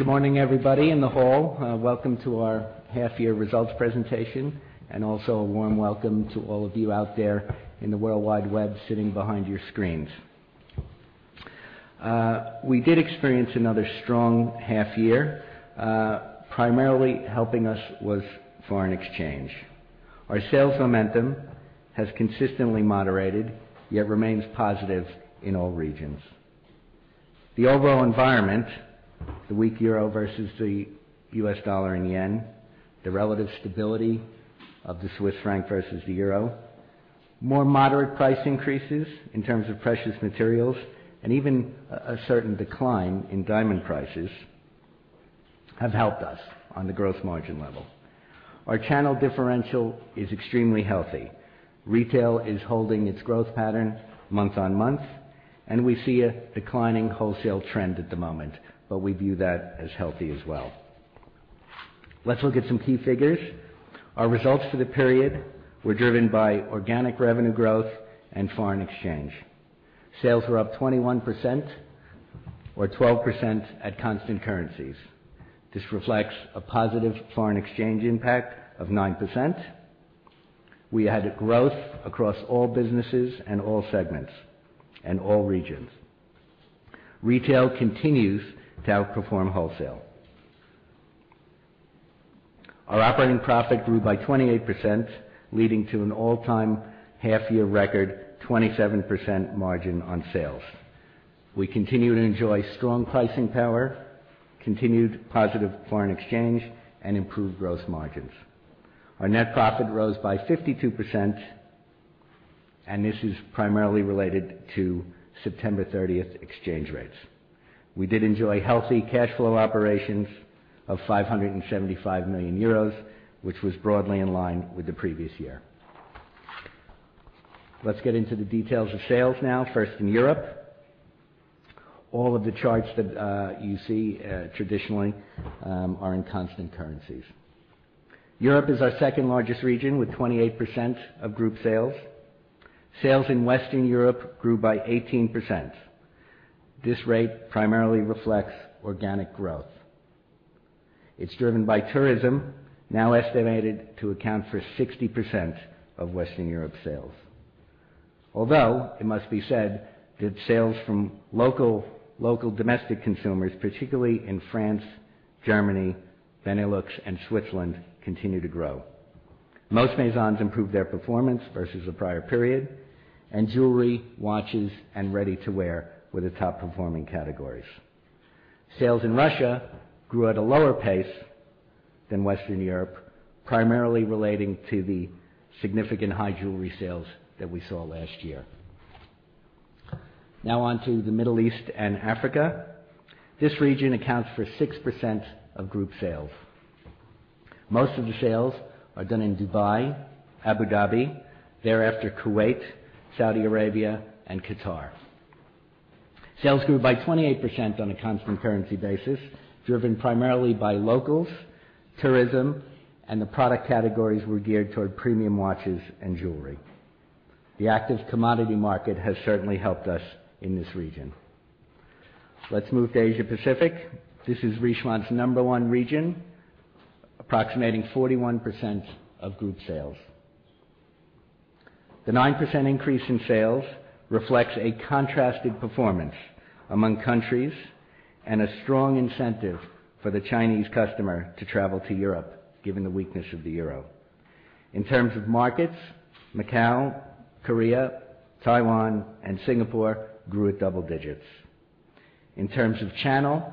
Good morning, everybody in the hall. Welcome to our half-year results presentation, and also a warm welcome to all of you out there in the worldwide web sitting behind your screens. We did experience another strong half-year. Primarily helping us was foreign exchange. Our sales momentum has consistently moderated, yet remains positive in all regions. The overall environment, the weak euro versus the U.S. dollar and yen, the relative stability of the Swiss franc versus the euro, more moderate price increases in terms of precious materials, and even a certain decline in diamond prices have helped us on the growth margin level. Our channel differential is extremely healthy. Retail is holding its growth pattern month-on-month, and we see a declining wholesale trend at the moment, but we view that as healthy as well. Let's look at some key figures. Our results for the period were driven by organic revenue growth and foreign exchange. Sales were up 21% or 12% at constant currencies. This reflects a positive foreign exchange impact of 9%. We had growth across all businesses and all segments and all regions. Retail continues to outperform wholesale. Our operating profit grew by 28%, leading to an all-time half-year record 27% margin on sales. We continue to enjoy strong pricing power, continued positive foreign exchange, and improved growth margins. Our net profit rose by 52%, and this is primarily related to September 30th exchange rates. We did enjoy healthy cash flow operations of 575 million euros, which was broadly in line with the previous year. Let's get into the details of sales now, first in Europe. All of the charts that you see traditionally are in constant currencies. Europe is our second-largest region, with 28% of group sales. Sales in Western Europe grew by 18%. This rate primarily reflects organic growth. It's driven by tourism, now estimated to account for 60% of Western Europe sales. Although it must be said that sales from local domestic consumers, particularly in France, Germany, Benelux, and Switzerland, continue to grow. Most Maisons improved their performance versus the prior period, and jewelry, watches, and ready-to-wear were the top-performing categories. Sales in Russia grew at a lower pace than Western Europe, primarily relating to the significant high jewelry sales that we saw last year. Now on to the Middle East and Africa. This region accounts for 6% of group sales. Most of the sales are done in Dubai, Abu Dhabi, thereafter Kuwait, Saudi Arabia, and Qatar. Sales grew by 28% on a constant currency basis, driven primarily by locals, tourism, and the product categories were geared toward premium watches and jewelry. The active commodity market has certainly helped us in this region. Let's move to Asia-Pacific. This is Richemont's number one region, approximating 41% of group sales. The 9% increase in sales reflects a contrasted performance among countries and a strong incentive for the Chinese customer to travel to Europe, given the weakness of the euro. In terms of markets, Macau, Korea, Taiwan, and Singapore grew at double digits. In terms of channel,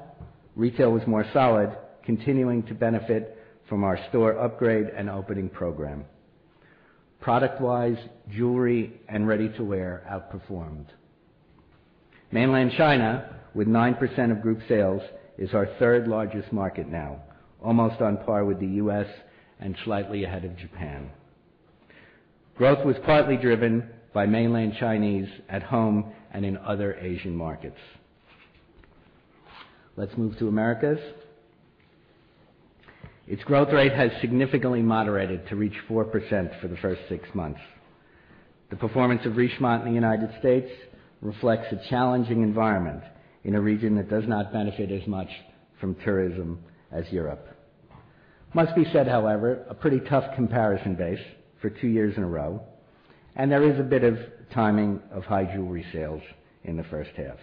retail was more solid, continuing to benefit from our store upgrade and opening program. Product-wise, jewelry and ready-to-wear outperformed. Mainland China, with 9% of group sales, is our third-largest market now, almost on par with the U.S. and slightly ahead of Japan. Growth was partly driven by mainland Chinese at home and in other Asian markets. Let's move to Americas. Its growth rate has significantly moderated to reach 4% for the first six months. The performance of Richemont in the United States reflects a challenging environment in a region that does not benefit as much from tourism as Europe. Must be said, however, a pretty tough comparison base for 2 years in a row, and there is a bit of timing of high jewelry sales in the first half.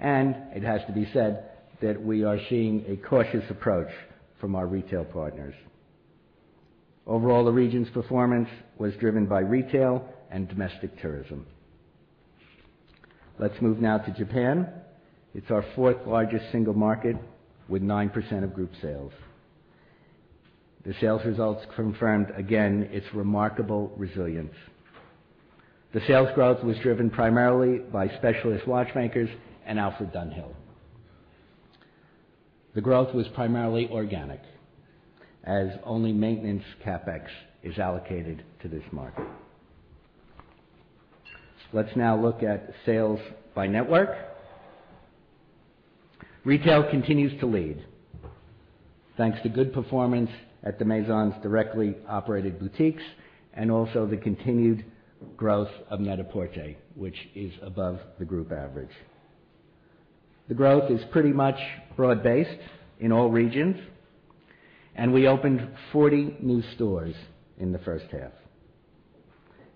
It has to be said that we are seeing a cautious approach from our retail partners. Overall, the region's performance was driven by retail and domestic tourism. Let's move now to Japan. It's our fourth-largest single market with 9% of group sales. The sales results confirmed, again, its remarkable resilience. The sales growth was driven primarily by specialist watchmakers and Alfred Dunhill. The growth was primarily organic, as only maintenance CapEx is allocated to this market. Let's now look at sales by network. Retail continues to lead thanks to good performance at the Maisons' directly-operated boutiques and also the continued growth of Net-a-Porter, which is above the group average. The growth is pretty much broad-based in all regions, we opened 40 new stores in the first half.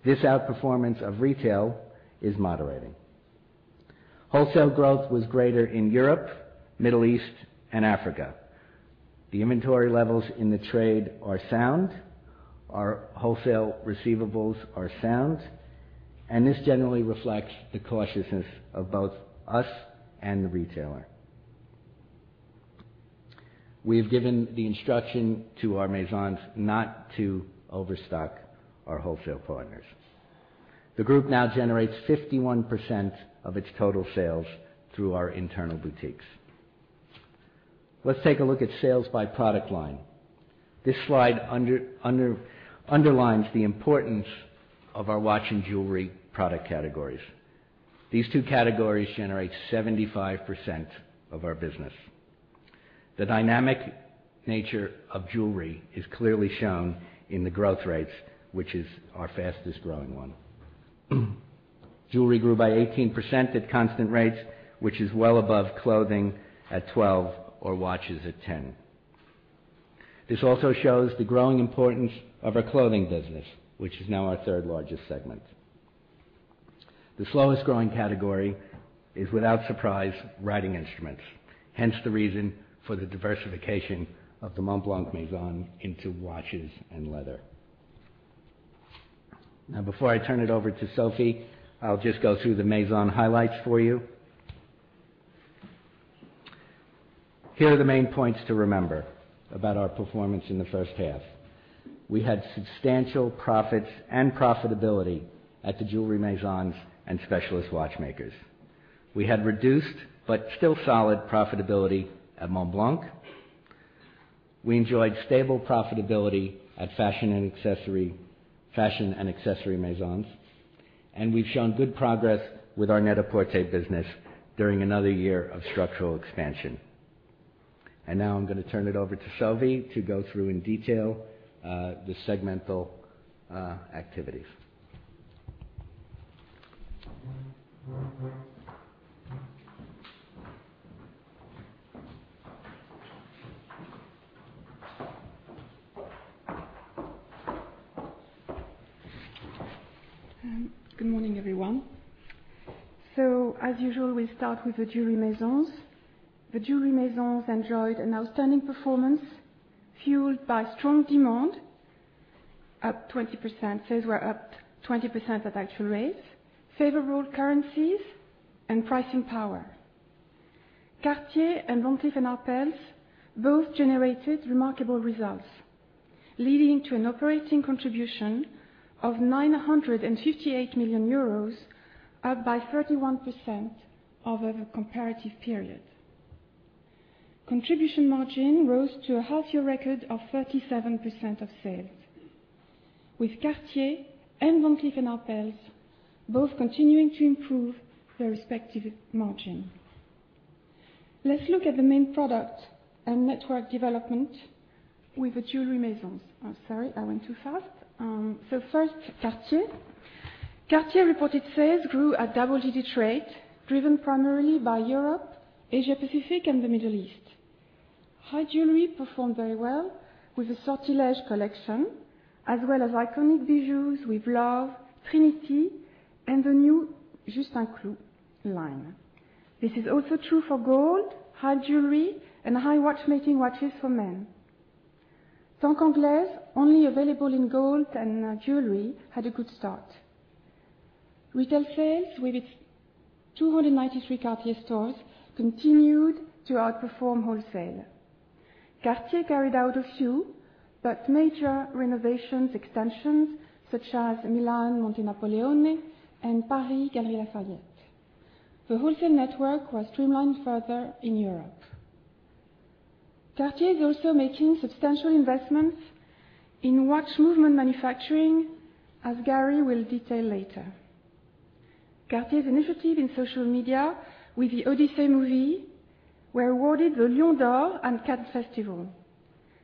This outperformance of retail is moderating. Wholesale growth was greater in Europe, Middle East, and Africa. The inventory levels in the trade are sound. Our wholesale receivables are sound, this generally reflects the cautiousness of both us and the retailer. We have given the instruction to our Maisons not to overstock our wholesale partners. The group now generates 51% of its total sales through our internal boutiques. Let's take a look at sales by product line. This slide underlines the importance of our watch and jewelry product categories. These two categories generate 75% of our business. The dynamic nature of jewelry is clearly shown in the growth rates, which is our fastest-growing one. Jewelry grew by 18% at constant rates, which is well above clothing at 12% or watches at 10%. This also shows the growing importance of our clothing business, which is now our third-largest segment. The slowest-growing category is, without surprise, writing instruments, hence the reason for the diversification of the Montblanc Maison into watches and leather. Before I turn it over to Sophie, I'll just go through the Maison highlights for you. Here are the main points to remember about our performance in the first half. We had substantial profits and profitability at the jewelry Maisons and specialist watchmakers. We had reduced, but still solid profitability at Montblanc. We enjoyed stable profitability at fashion and accessory Maisons. We've shown good progress with our Net-a-Porter business during another year of structural expansion. Now I'm going to turn it over to Sophie to go through in detail the segmental activities. Good morning, everyone. As usual, we start with the jewelry Maisons. The jewelry Maisons enjoyed an outstanding performance fueled by strong demand, up 20%. Sales were up 20% at actual rates, favorable currencies, and pricing power. Cartier and Van Cleef & Arpels both generated remarkable results, leading to an operating contribution of 958 million euros, up by 31% over the comparative period. Contribution margin rose to a half-year record of 37% of sales, with Cartier and Van Cleef & Arpels both continuing to improve their respective margin. Let's look at the main product and network development with the jewelry Maisons. I'm sorry, I went too fast. First, Cartier. Cartier reported sales grew at double-digit rate, driven primarily by Europe, Asia-Pacific, and the Middle East. High jewelry performed very well with the Sortilège collection, as well as iconic bijoux with Love, Trinity, and the new Juste un Clou line. This is also true for gold, high jewelry, and high watchmaking watches for men. Tank Anglaise, only available in gold and jewelry, had a good start. Retail sales with its 293 Cartier stores continued to outperform wholesale. Cartier carried out a few but major renovations, extensions such as Milan, Monte Napoleone, and Paris Galeries Lafayette. The wholesale network was streamlined further in Europe. Cartier is also making substantial investments in watch movement manufacturing, as Gary will detail later. Cartier's initiative in social media with the "Odyssée" movie were awarded the Lion d'Or at Cannes Festival.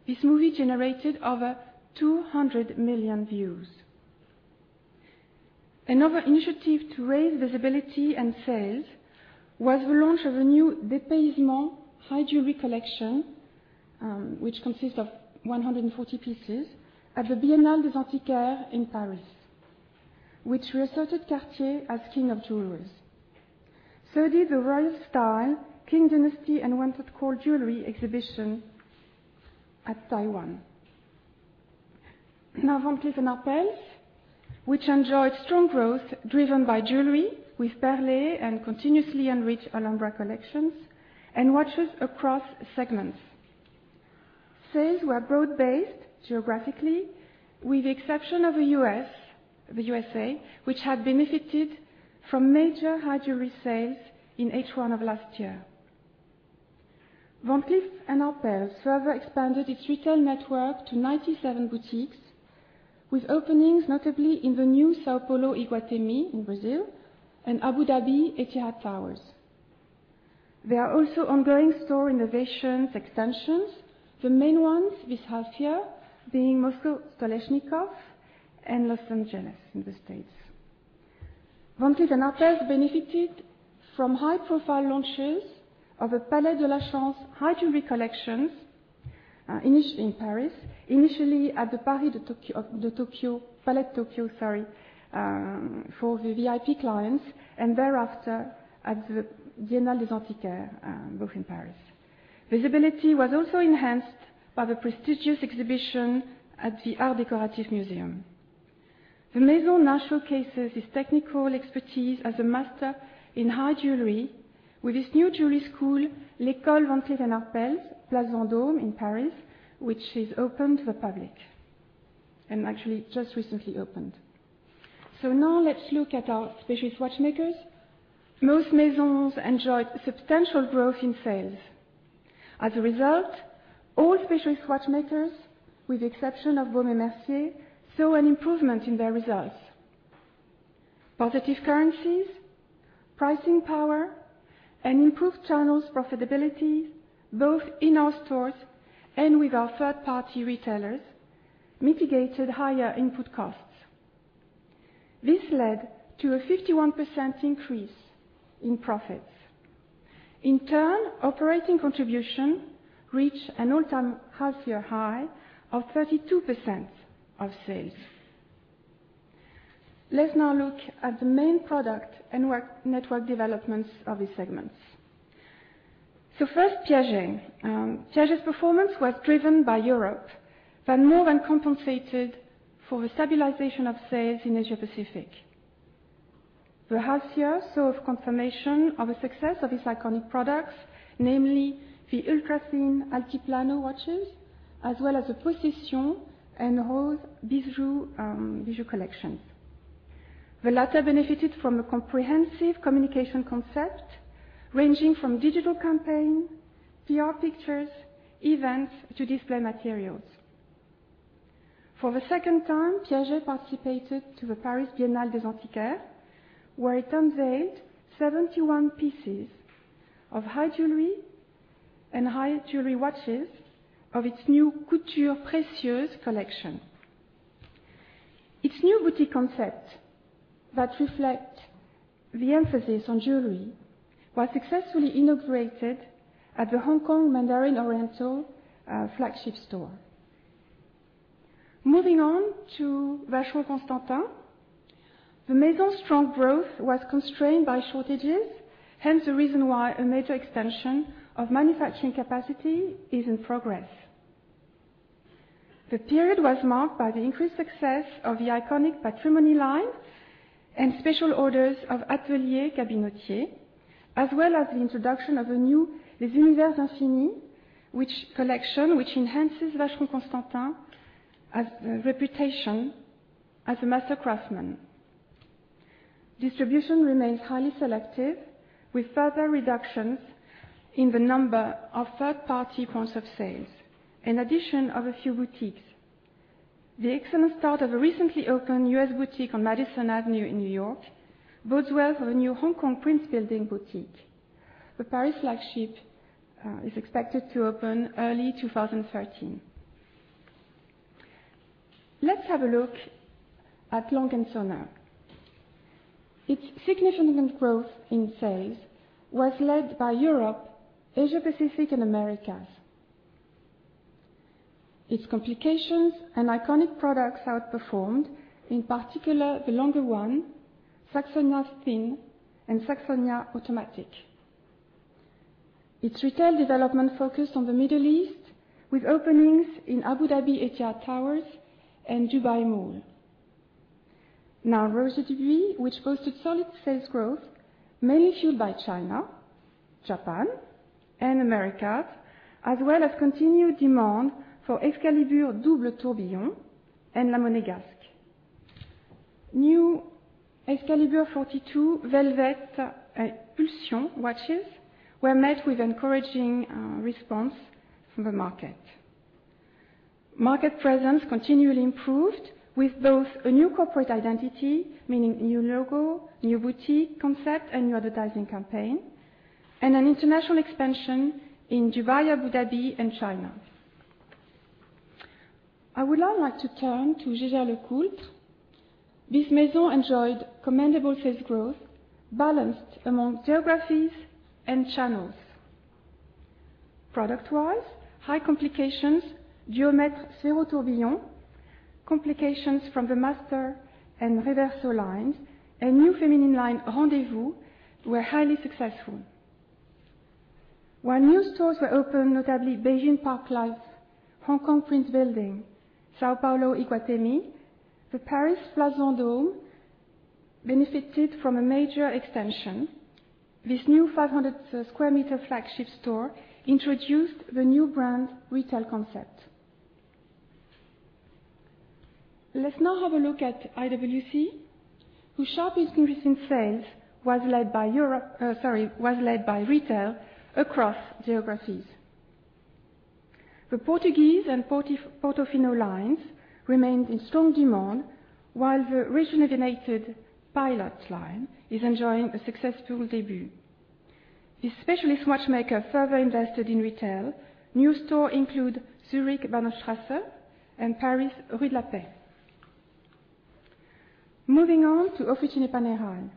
This movie generated over 200 million views. Another initiative to raise visibility and sales was the launch of a new Dépaysement high jewelry collection, which consists of 140 pieces, at the Biennale des Antiquaires in Paris, which reasserted Cartier as king of jewelers. Did the Royal Style, Qing Dynasty and Wonderful Jewelry exhibition at Taiwan. Van Cleef & Arpels, which enjoyed strong growth driven by jewelry with Perlée and continuously enriched Alhambra collections and watches across segments. Sales were broad-based geographically, with the exception of the USA, which had benefited from major high jewelry sales in H1 of last year. Van Cleef & Arpels further expanded its retail network to 97 boutiques with openings notably in the new São Paulo Iguatemi in Brazil and Abu Dhabi Etihad Towers. There are also ongoing store innovations, extensions, the main ones this half-year being Moscow Stoleshnikov and Los Angeles in the States. Van Cleef & Arpels benefited from high-profile launches of the Palais de la chance high jewelry collections in Paris, initially at the Palais de Tokyo for the VIP clients, and thereafter at the Biennale des Antiquaires both in Paris. Visibility was also enhanced by the prestigious exhibition at the Arts Décoratifs Museum. The Maison now showcases its technical expertise as a master in high jewelry with its new jewelry school, L'École, School of Jewelry Arts, Place Vendôme in Paris, which is open to the public, and actually just recently opened. Let's look at our specialist watchmakers. Most Maisons enjoyed substantial growth in sales. As a result, all specialist watchmakers, with the exception of Baume & Mercier, saw an improvement in their results. Positive currencies, pricing power, and improved channels profitability, both in our stores and with our third-party retailers, mitigated higher input costs. This led to a 51% increase in profits. In turn, operating contribution reached an all-time half-year high of 32% of sales. Let's now look at the main product and network developments of these segments. First, Piaget. Piaget's performance was driven by Europe that more than compensated for the stabilization of sales in Asia Pacific. The half-year saw a confirmation of the success of its iconic products, namely the ultra-thin Altiplano watches as well as the Possession and Piaget Rose collections. The latter benefited from a comprehensive communication concept ranging from digital campaign, PR pictures, events, to display materials. For the second time, Piaget participated to the Paris Biennale des Antiquaires where it unveiled 71 pieces of high jewelry and high jewelry watches of its new Couture Précieuse collection. Its new boutique concept that reflect the emphasis on jewelry was successfully inaugurated at the Hong Kong Mandarin Oriental flagship store. Moving on to Vacheron Constantin. The Maison's strong growth was constrained by shortages, hence the reason why a major extension of manufacturing capacity is in progress. The period was marked by the increased success of the iconic Patrimony line and special orders of Les Cabinotiers, as well as the introduction of a new Les Univers Infinis collection which enhances Vacheron Constantin as a reputation as a master craftsman. Distribution remains highly selective, with further reductions in the number of third-party points of sales. An addition of a few boutiques. The excellent start of a recently opened U.S. boutique on Madison Avenue in N.Y. bodes well for the new Hong Kong Prince's Building boutique. The Paris flagship is expected to open early 2013. Let's have a look at A. Lange & Söhne. Its significant growth in sales was led by Europe, Asia-Pacific, and Americas. Its complications and iconic products outperformed, in particular the Lange 1, Saxonia Thin, and Saxonia Automatic. Its retail development focused on the Middle East with openings in Abu Dhabi Etihad Towers and Dubai Mall. Roger Dubuis boasted solid sales growth, mainly fueled by China, Japan, and Americas, as well as continued demand for Excalibur Double Tourbillon and La Monégasque. New Excalibur 42 Velvet Pulsion watches were met with encouraging response from the market. Market presence continually improved with both a new corporate identity, meaning new logo, new boutique concept, and new advertising campaign, and an international expansion in Dubai, Abu Dhabi, and China. I would now like to turn to Jaeger-LeCoultre. This Maison enjoyed commendable sales growth balanced among geographies and channels. Product-wise, high complications, Duomètre Sphérotourbillon, complications from the Master and Reverso lines, and new feminine line Rendez-Vous were highly successful. New stores were opened, notably Beijing Parkview Green, Hong Kong Prince's Building, Iguatemi São Paulo. The Paris Place Vendôme benefited from a major extension. This new 500 sq m flagship store introduced the new brand retail concept. Let's now have a look at IWC, whose sharp increase in sales was led by retail across geographies. The Portugieser and Portofino lines remained in strong demand, while the recently renovated Pilot's Watch line is enjoying a successful debut. The specialist watchmaker further invested in retail. New stores include Zurich Bahnhofstrasse and Paris Rue de la Paix. Moving on to Officine Panerai.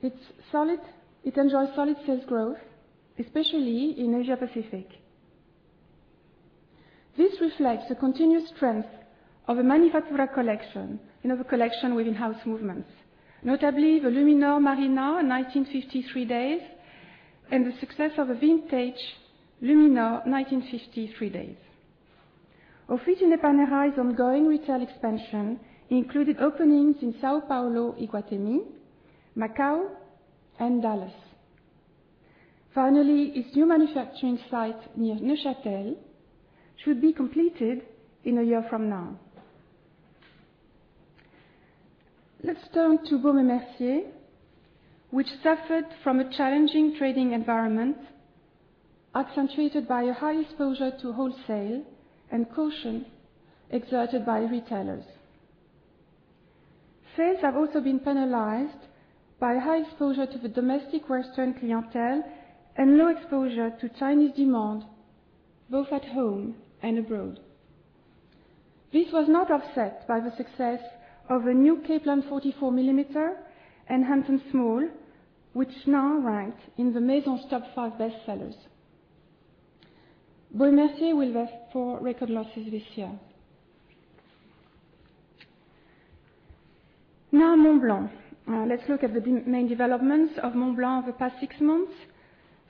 It enjoys solid sales growth, especially in Asia Pacific. This reflects the continuous strength of the Manifattura collection and of the collection with in-house movements, notably the Luminor Marina 1950 3 Days, and the success of a vintage Luminor 1950 3 Days. Officine Panerai's ongoing retail expansion included openings in São Paulo, Iguatemi, Macau, and Dallas. Its new manufacturing site near Neuchâtel should be completed in a year from now. Let's turn to Baume & Mercier, which suffered from a challenging trading environment accentuated by a high exposure to wholesale and caution exerted by retailers. Sales have also been penalized by high exposure to the domestic Western clientele and low exposure to Chinese demand both at home and abroad. This was not offset by the success of the new Capeland 44mm and Hampton Small, which now rank in the Maison's top five bestsellers. Baume & Mercier will have four record losses this year. Montblanc. Let's look at the main developments of Montblanc over the past six months.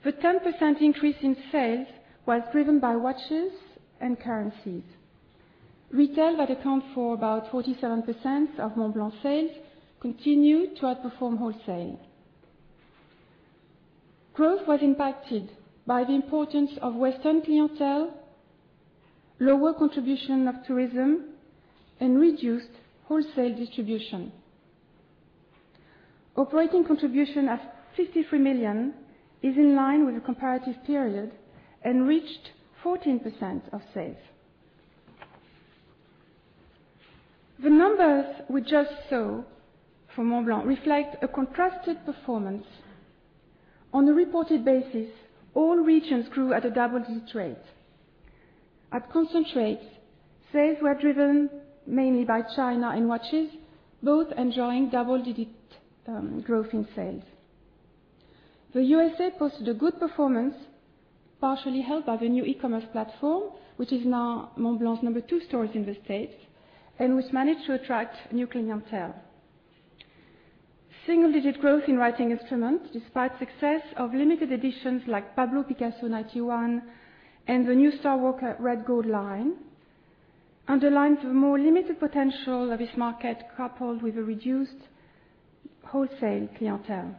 The 10% increase in sales was driven by watches and currencies. Retail that account for about 47% of Montblanc sales continued to outperform wholesale. Growth was impacted by the importance of Western clientele, lower contribution of tourism, and reduced wholesale distribution. Operating contribution at 53 million is in line with the comparative period and reached 14% of sales. The numbers we just saw for Montblanc reflect a contrasted performance. On a reported basis, all regions grew at a double-digit rate. At constant rates, sales were driven mainly by China and watches, both enjoying double-digit growth in sales. The U.S.A. posted a good performance, partially helped by the new e-commerce platform, which is now Montblanc's number 2 store in the States and which managed to attract new clientele. Single-digit growth in writing instruments, despite success of limited editions like Pablo Picasso 91 and the new StarWalker Red Gold line, underlines the more limited potential of this market, coupled with a reduced wholesale clientele.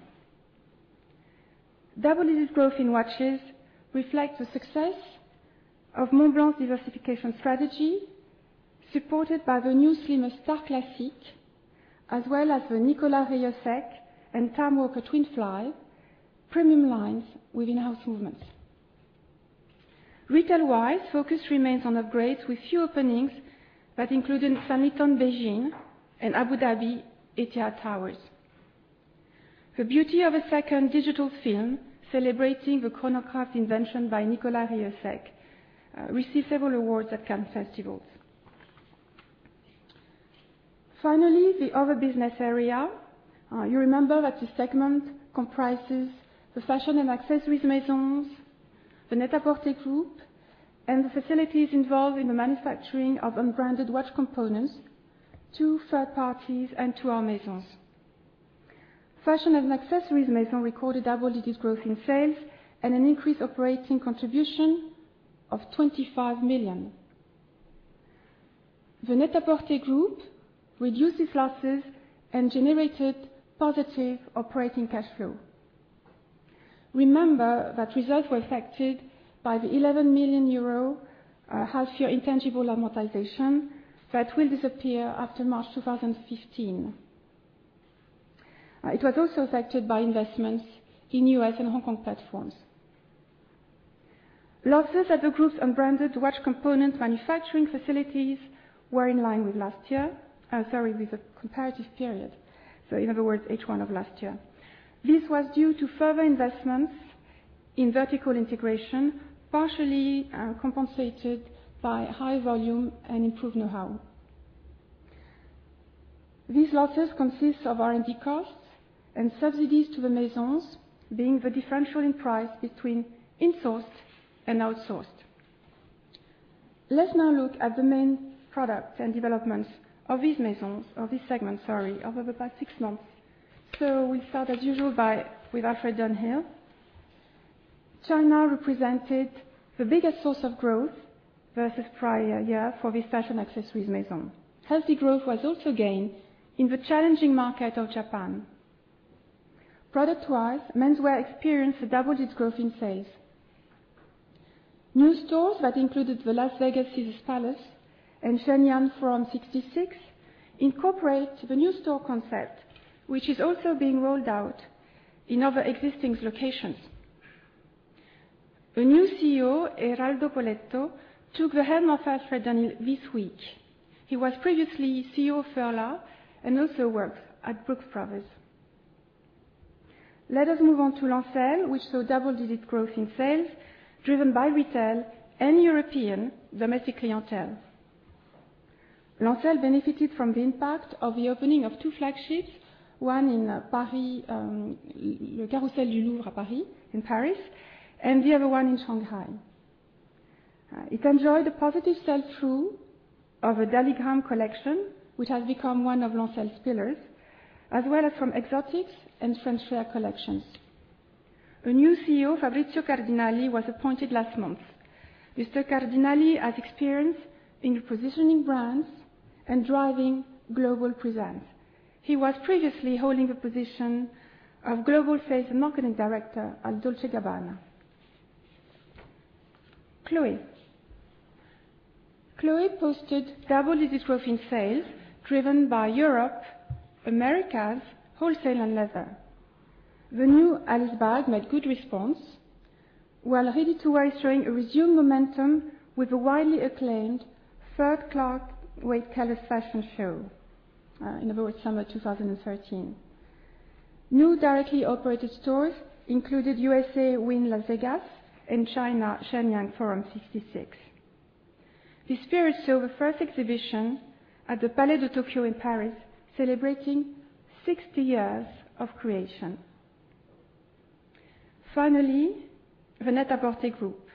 Double-digit growth in watches reflects the success of Montblanc's diversification strategy, supported by the new Star Classique, as well as the Nicolas Rieussec and TimeWalker TwinFly premium lines with in-house movements. Retail-wise, focus remains on upgrades with few openings that include Sanlitun Beijing and Abu Dhabi Etihad Towers. The Beauty of a Second digital film celebrating the Chronograph invention by Nicolas Rieussec received several awards at Cannes Festivals. The other business area. You remember that this segment comprises the fashion and accessories Maisons, the Net-a-Porter Group, and the facilities involved in the manufacturing of unbranded watch components to third parties and to our Maisons. Fashion and accessories Maison recorded double-digit growth in sales and an increased operating contribution of EUR 25 million. The Net-a-Porter Group reduced its losses and generated positive operating cash flow. Remember that results were affected by the 11 million euro half-year intangible amortization that will disappear after March 2015. It was also affected by investments in U.S. and Hong Kong platforms. Losses at the group's unbranded watch component manufacturing facilities were in line with last year. Sorry, with the comparative period. In other words, H1 of last year. This was due to further investments in vertical integration, partially compensated by high volume and improved know-how. These losses consist of R&D costs and subsidies to the Maisons being the differential in price between insourced and outsourced. Let's now look at the main products and developments of these segments over the past six months. We start as usual with Alfred Dunhill. China represented the biggest source of growth versus prior year for this fashion accessories Maison. Healthy growth was also gained in the challenging market of Japan. Product-wise, menswear experienced a double-digit growth in sales. New stores that included the Las Vegas Caesars Palace and Shenyang Forum 66 Incorporate the new store concept, which is also being rolled out in other existing locations. The new CEO, Eraldo Poletto, took the helm of Alfred Dunhill this week. He was previously CEO of Furla and also worked at Brooks Brothers. Let us move on to Lancel, which saw double-digit growth in sales driven by retail and European domestic clientele. Lancel benefited from the impact of the opening of two flagships, one in Paris, Le Carrousel du Louvre Paris, in Paris, and the other one in Shanghai. It enjoyed the positive sell-through of a Daligramme collection, which has become one of Lancel's pillars, as well as from exotiques and French Flair collections. The new CEO, Fabrizio Cardinali, was appointed last month. Mr. Cardinali has experience in repositioning brands and driving global presence. He was previously holding the position of Global Sales and Marketing Director at Dolce & Gabbana. Chloé. Chloé posted double-digit growth in sales driven by Europe, Americas, wholesale, and leather. The new Alice bag made good response, while ready-to-wear showing a resumed momentum with a widely acclaimed third Clare Waight Keller fashion show in November-December 2013. New directly operated stores included U.S.A. Wynn Las Vegas and China Shenyang Forum 66. The Spirit showed the first exhibition at the Palais de Tokyo in Paris, celebrating 60 years of creation. Finally, the Net-a-Porter Group.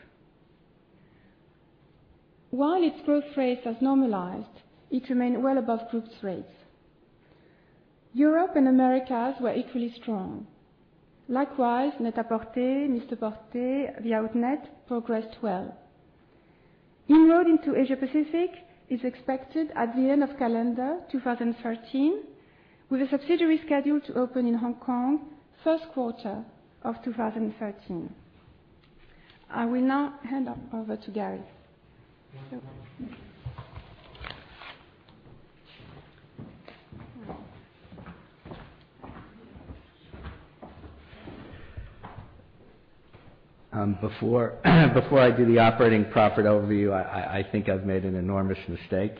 While its growth rate has normalized, it remained well above group rates. Europe and Americas were equally strong. Likewise, Net-a-Porter, MR PORTER, THE OUTNET progressed well. Inroad into Asia-Pacific is expected at the end of calendar 2013, with a subsidiary scheduled to open in Hong Kong first quarter of 2013. I will now hand over to Gary. Before I do the operating profit overview, I think I've made an enormous mistake.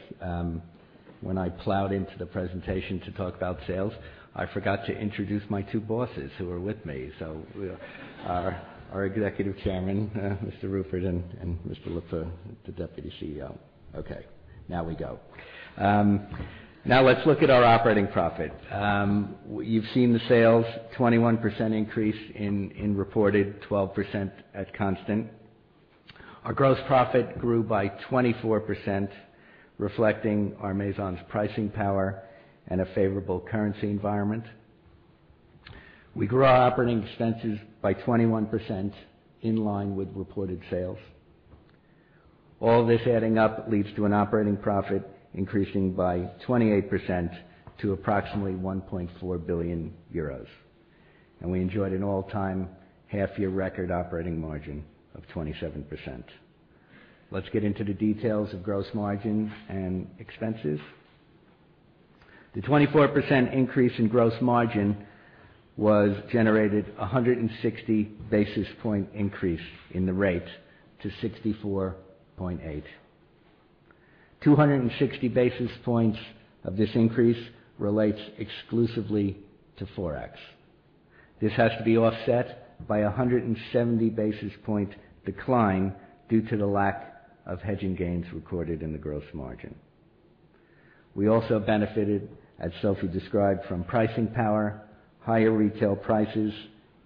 When I plowed into the presentation to talk about sales, I forgot to introduce my two bosses who are with me. Our Executive Chairman, Mr. Rupert, and Mr. Lepeu, the Deputy CEO. Now we go. Now let's look at our operating profit. You've seen the sales, 21% increase in reported, 12% at constant. Our gross profit grew by 24%, reflecting our Maisons' pricing power and a favorable currency environment. We grew our operating expenses by 21%, in line with reported sales. All this adding up leads to an operating profit increasing by 28% to approximately 1.4 billion euros. And we enjoyed an all-time half-year record operating margin of 27%. Let's get into the details of gross margin and expenses. The 24% increase in gross margin was generated 160 basis point increase in the rate to 64.8%. 260 basis points of this increase relates exclusively to Forex. This has to be offset by 170 basis point decline due to the lack of hedging gains recorded in the gross margin. We also benefited, as Sophie described, from pricing power, higher retail prices,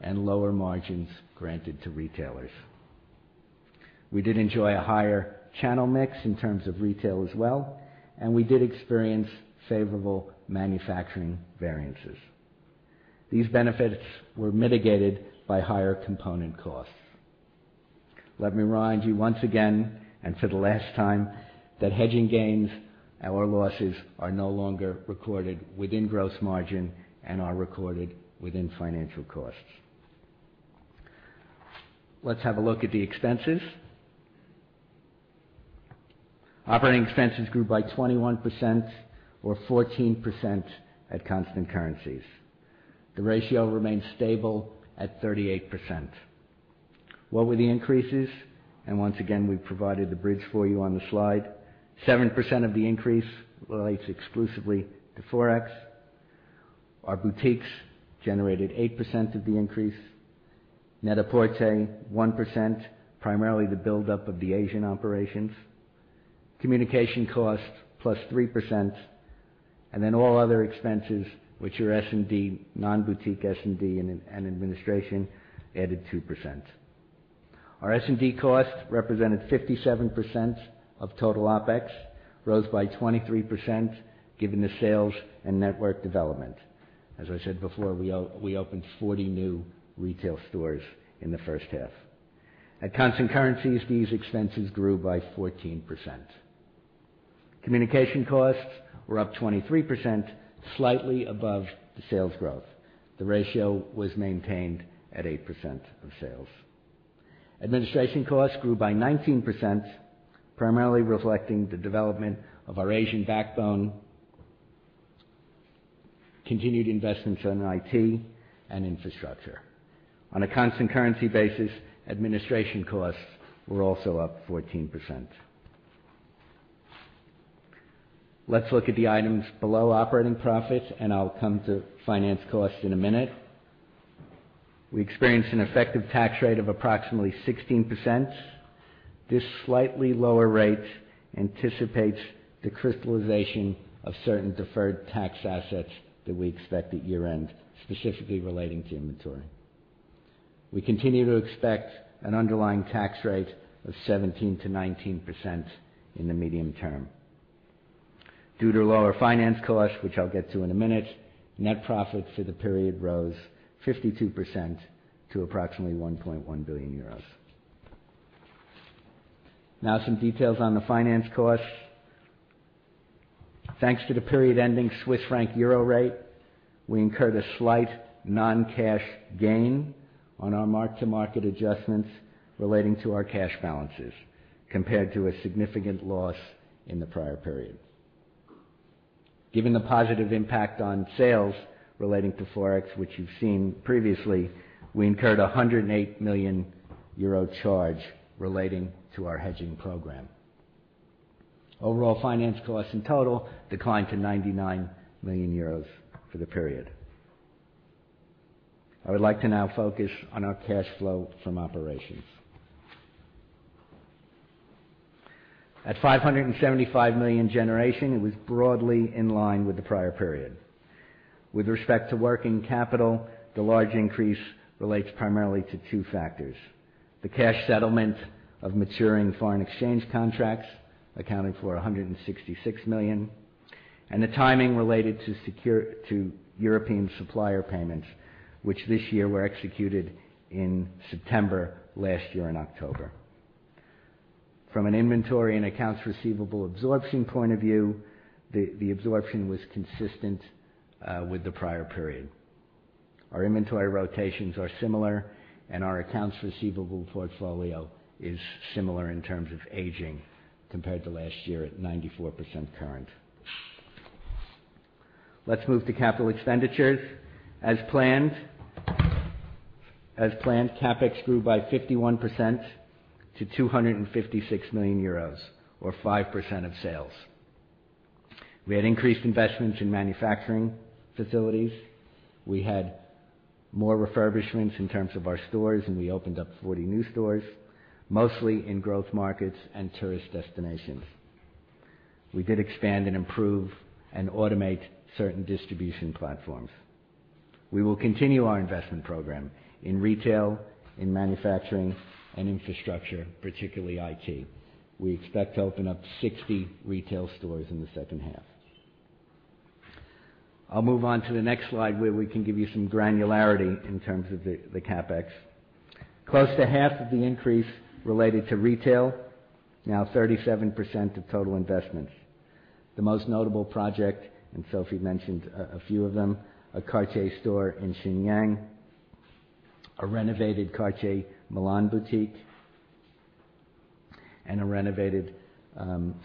and lower margins granted to retailers. We did enjoy a higher channel mix in terms of retail as well. We did experience favorable manufacturing variances. These benefits were mitigated by higher component costs. Let me remind you once again, for the last time, that hedging gains, our losses, are no longer recorded within gross margin and are recorded within financial costs. Let's have a look at the expenses. Operating expenses grew by 21%, or 14% at constant currencies. The ratio remains stable at 38%. What were the increases? Once again, we've provided the bridge for you on the slide. 7% of the increase relates exclusively to Forex. Our boutiques generated 8% of the increase. Net-a-Porter, 1%, primarily the buildup of the Asian operations. Communication costs, plus 3%. All other expenses, which are S&D, non-boutique S&D and administration, added 2%. Our S&D costs represented 57% of total OpEx, rose by 23% given the sales and network development. As I said before, we opened 40 new retail stores in the first half. At constant currencies, these expenses grew by 14%. Communication costs were up 23%, slightly above the sales growth. The ratio was maintained at 8% of sales. Administration costs grew by 19%, primarily reflecting the development of our Asian backbone, continued investments in IT, and infrastructure. On a constant currency basis, administration costs were also up 14%. Let's look at the items below operating profits. I'll come to finance costs in a minute. We experienced an effective tax rate of approximately 16%. This slightly lower rate anticipates the crystallization of certain deferred tax assets that we expect at year-end, specifically relating to inventory. We continue to expect an underlying tax rate of 17%-19% in the medium term. Due to lower finance costs, which I'll get to in a minute, net profits for the period rose 52% to approximately 1.1 billion euros. Some details on the finance costs. Thanks to the period-ending CHF-EUR rate, we incurred a slight non-cash gain on our mark-to-market adjustments relating to our cash balances, compared to a significant loss in the prior period. Given the positive impact on sales relating to Forex, which you've seen previously, we incurred a 108 million euro charge relating to our hedging program. Overall finance costs in total declined to 99 million euros for the period. I would like to now focus on our cash flow from operations. At 575 million generation, it was broadly in line with the prior period. With respect to working capital, the large increase relates primarily to two factors: the cash settlement of maturing foreign exchange contracts accounting for 166 million, and the timing related to European supplier payments, which this year were executed in September, last year in October. From an inventory and accounts receivable absorption point of view, the absorption was consistent with the prior period. Our inventory rotations are similar. Our accounts receivable portfolio is similar in terms of aging compared to last year at 94% current. Let's move to capital expenditures. As planned, CapEx grew by 51% to 256 million euros or 5% of sales. We had increased investments in manufacturing facilities. We had more refurbishments in terms of our stores, we opened up 40 new stores, mostly in growth markets and tourist destinations. We did expand, improve, and automate certain distribution platforms. We will continue our investment program in retail, in manufacturing, and infrastructure, particularly IT. We expect to open up 60 retail stores in the second half. I'll move on to the next slide where we can give you some granularity in terms of the CapEx. Close to half of the increase related to retail, now 37% of total investments. The most notable project, Sophie mentioned a few of them, a Cartier store in Shenyang, a renovated Cartier Milan boutique, a renovated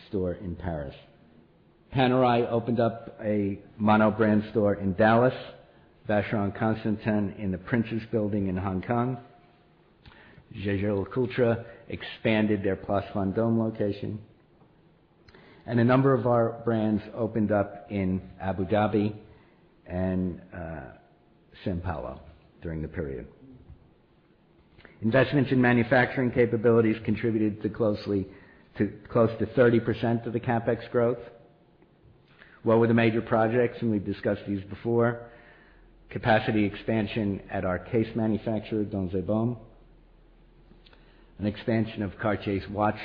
store in Paris. Panerai opened up a mono-brand store in Dallas, Vacheron Constantin in the Prince's Building in Hong Kong. Jaeger-LeCoultre expanded their Place Vendôme location. A number of our brands opened up in Abu Dhabi and São Paulo during the period. Investments in manufacturing capabilities contributed close to 30% of the CapEx growth. What were the major projects? We've discussed these before. Capacity expansion at our case manufacturer, Donzé-Baume. An expansion of Cartier's watch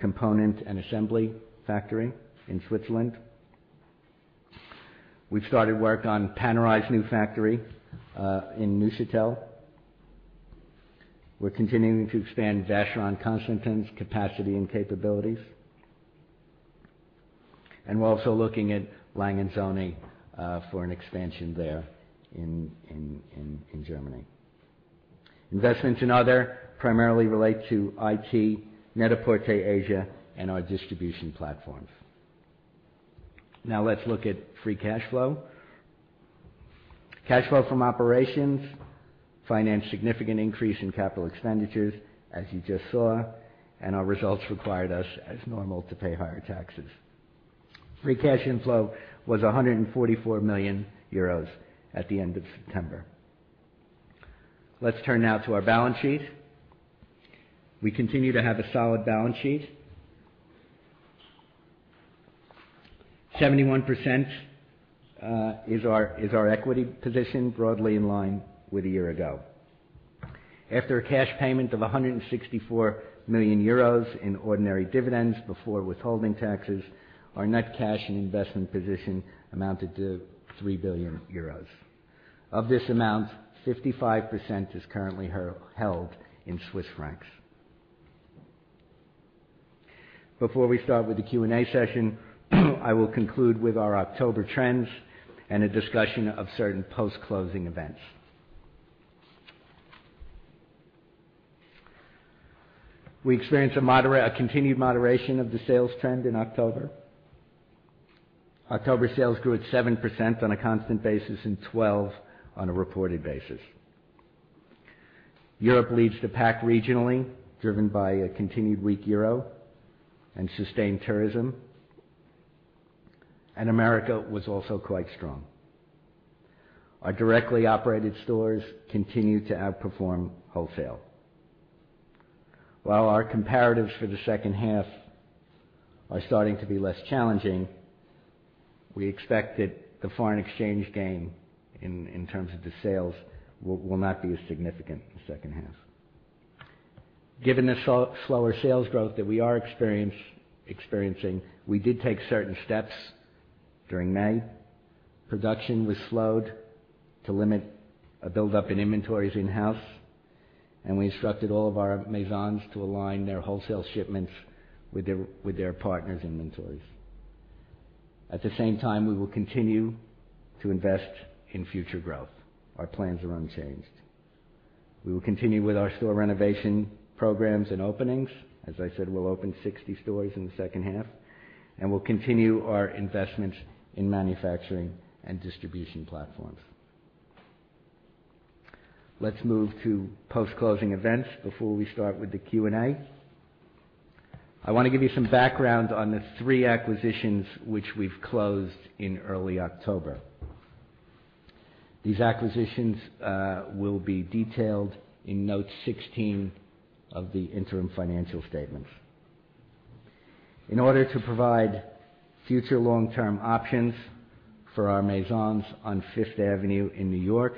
component and assembly factory in Switzerland. We've started work on Panerai's new factory in Neuchâtel. We're continuing to expand Vacheron Constantin's capacity and capabilities. We're also looking at A. Lange & Söhne for an expansion there in Germany. Investments in other primarily relate to IT, Net-a-Porter Asia, and our distribution platforms. Now let's look at free cash flow. Cash flow from operations financed significant increase in capital expenditures, as you just saw, our results required us, as normal, to pay higher taxes. Free cash inflow was 144 million euros at the end of September. Let's turn now to our balance sheet. We continue to have a solid balance sheet. 71% is our equity position, broadly in line with a year ago. After a cash payment of 164 million euros in ordinary dividends before withholding taxes, our net cash and investment position amounted to 3 billion euros. Of this amount, 55% is currently held in Swiss francs. Before we start with the Q&A session, I will conclude with our October trends and a discussion of certain post-closing events. We experienced a continued moderation of the sales trend in October. October sales grew at 7% on a constant basis, 12% on a reported basis. Europe leads the pack regionally, driven by a continued weak euro and sustained tourism. America was also quite strong. Our directly operated stores continue to outperform wholesale. While our comparatives for the second half are starting to be less challenging, we expect that the foreign exchange gain in terms of the sales will not be as significant in the second half. Given the slower sales growth that we are experiencing, we did take certain steps during May. Production was slowed to limit a buildup in inventories in-house, we instructed all of our Maisons to align their wholesale shipments with their partners' inventories. At the same time, we will continue to invest in future growth. Our plans are unchanged. We will continue with our store renovation programs and openings. As I said, we'll open 60 stores in the second half, we'll continue our investments in manufacturing and distribution platforms. Let's move to post-closing events before we start with the Q&A. I want to give you some background on the three acquisitions which we've closed in early October. These acquisitions will be detailed in Note 16 of the interim financial statements. In order to provide future long-term options for our Maisons on Fifth Avenue in New York,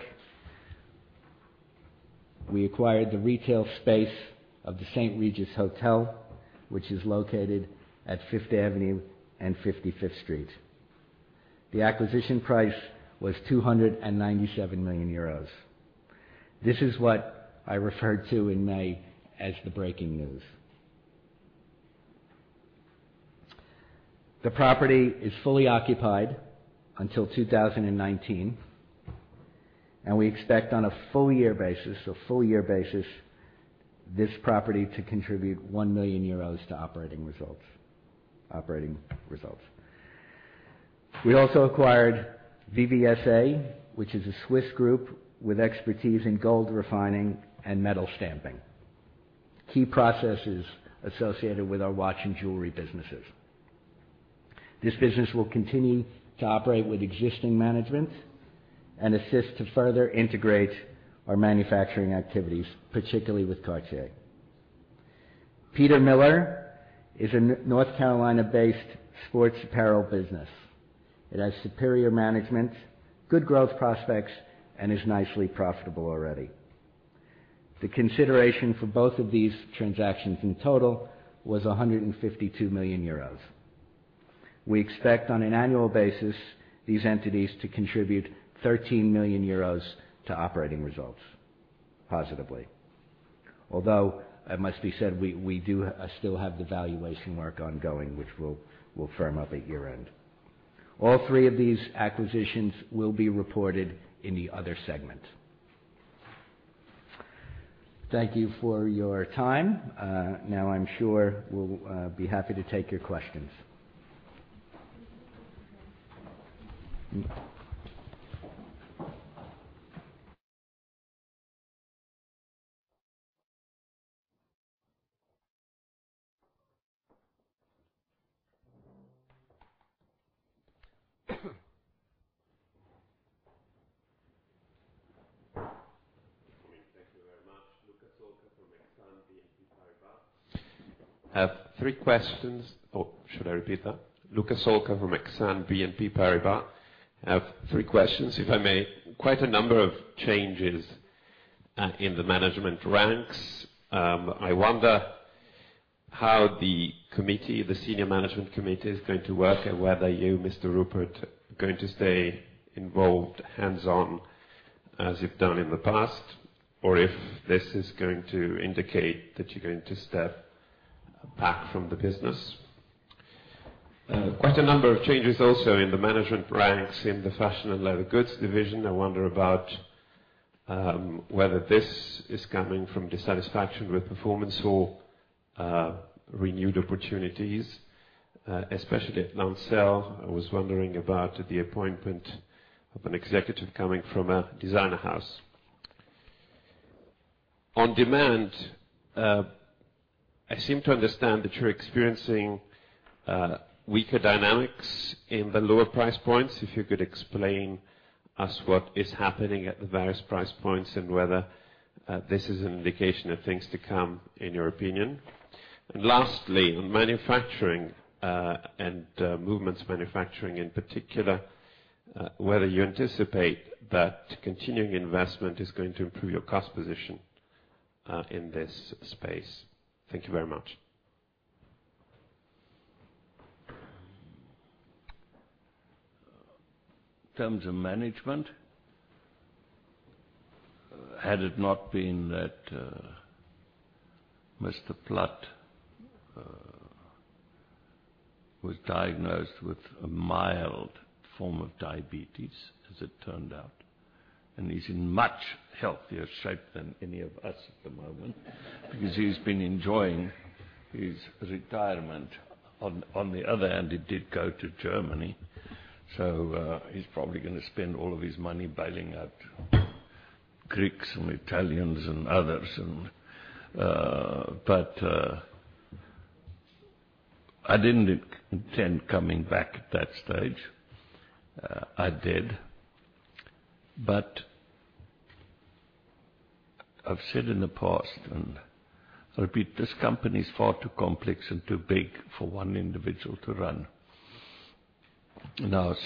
we acquired the retail space of the St. Regis Hotel, which is located at Fifth Avenue and 55th Street. The acquisition price was €297 million. This is what I referred to in May as the breaking news. The property is fully occupied until 2019, and we expect on a full year basis, this property to contribute €1 million to operating results. We also acquired VBSA, which is a Swiss group with expertise in gold refining and metal stamping, key processes associated with our watch and jewelry businesses. This business will continue to operate with existing management and assist to further integrate our manufacturing activities, particularly with Cartier. Peter Millar is a North Carolina-based sports apparel business. It has superior management, good growth prospects, and is nicely profitable already. The consideration for both of these transactions in total was €152 million. We expect on an annual basis, these entities to contribute €13 million to operating results positively. Although, it must be said, we do still have the valuation work ongoing, which we'll firm up at year-end. All three of these acquisitions will be reported in the other segment. Thank you for your time. Now, I'm sure we'll be happy to take your questions. Thank you very much. Luca Solca from Exane BNP Paribas. I have three questions. Should I repeat that? Luca Solca from Exane BNP Paribas. I have three questions, if I may. Quite a number of changes in the management ranks. I wonder how the senior management committee is going to work, and whether you, Mr. Rupert, are going to stay involved hands-on as you've done in the past, or if this is going to indicate that you're going to step back from the business. Quite a number of changes also in the management ranks in the fashion and leather goods division. I wonder about whether this is coming from dissatisfaction with performance or renewed opportunities, especially at Lancel. I was wondering about the appointment of an executive coming from a designer house. On demand, I seem to understand that you're experiencing weaker dynamics in the lower price points. Lastly, on manufacturing and movements manufacturing in particular, whether you anticipate that continuing investment is going to improve your cost position in this space. Thank you very much. In terms of management, had it not been that Mr. Platt was diagnosed with a mild form of diabetes, as it turned out, and he's in much healthier shape than any of us at the moment because he's been enjoying his retirement. On the other hand, he did go to Germany, so he's probably going to spend all of his money bailing out Greeks and Italians and others. I didn't intend coming back at that stage. I did, but I've said in the past, and I repeat, this company is far too complex and too big for one individual to run.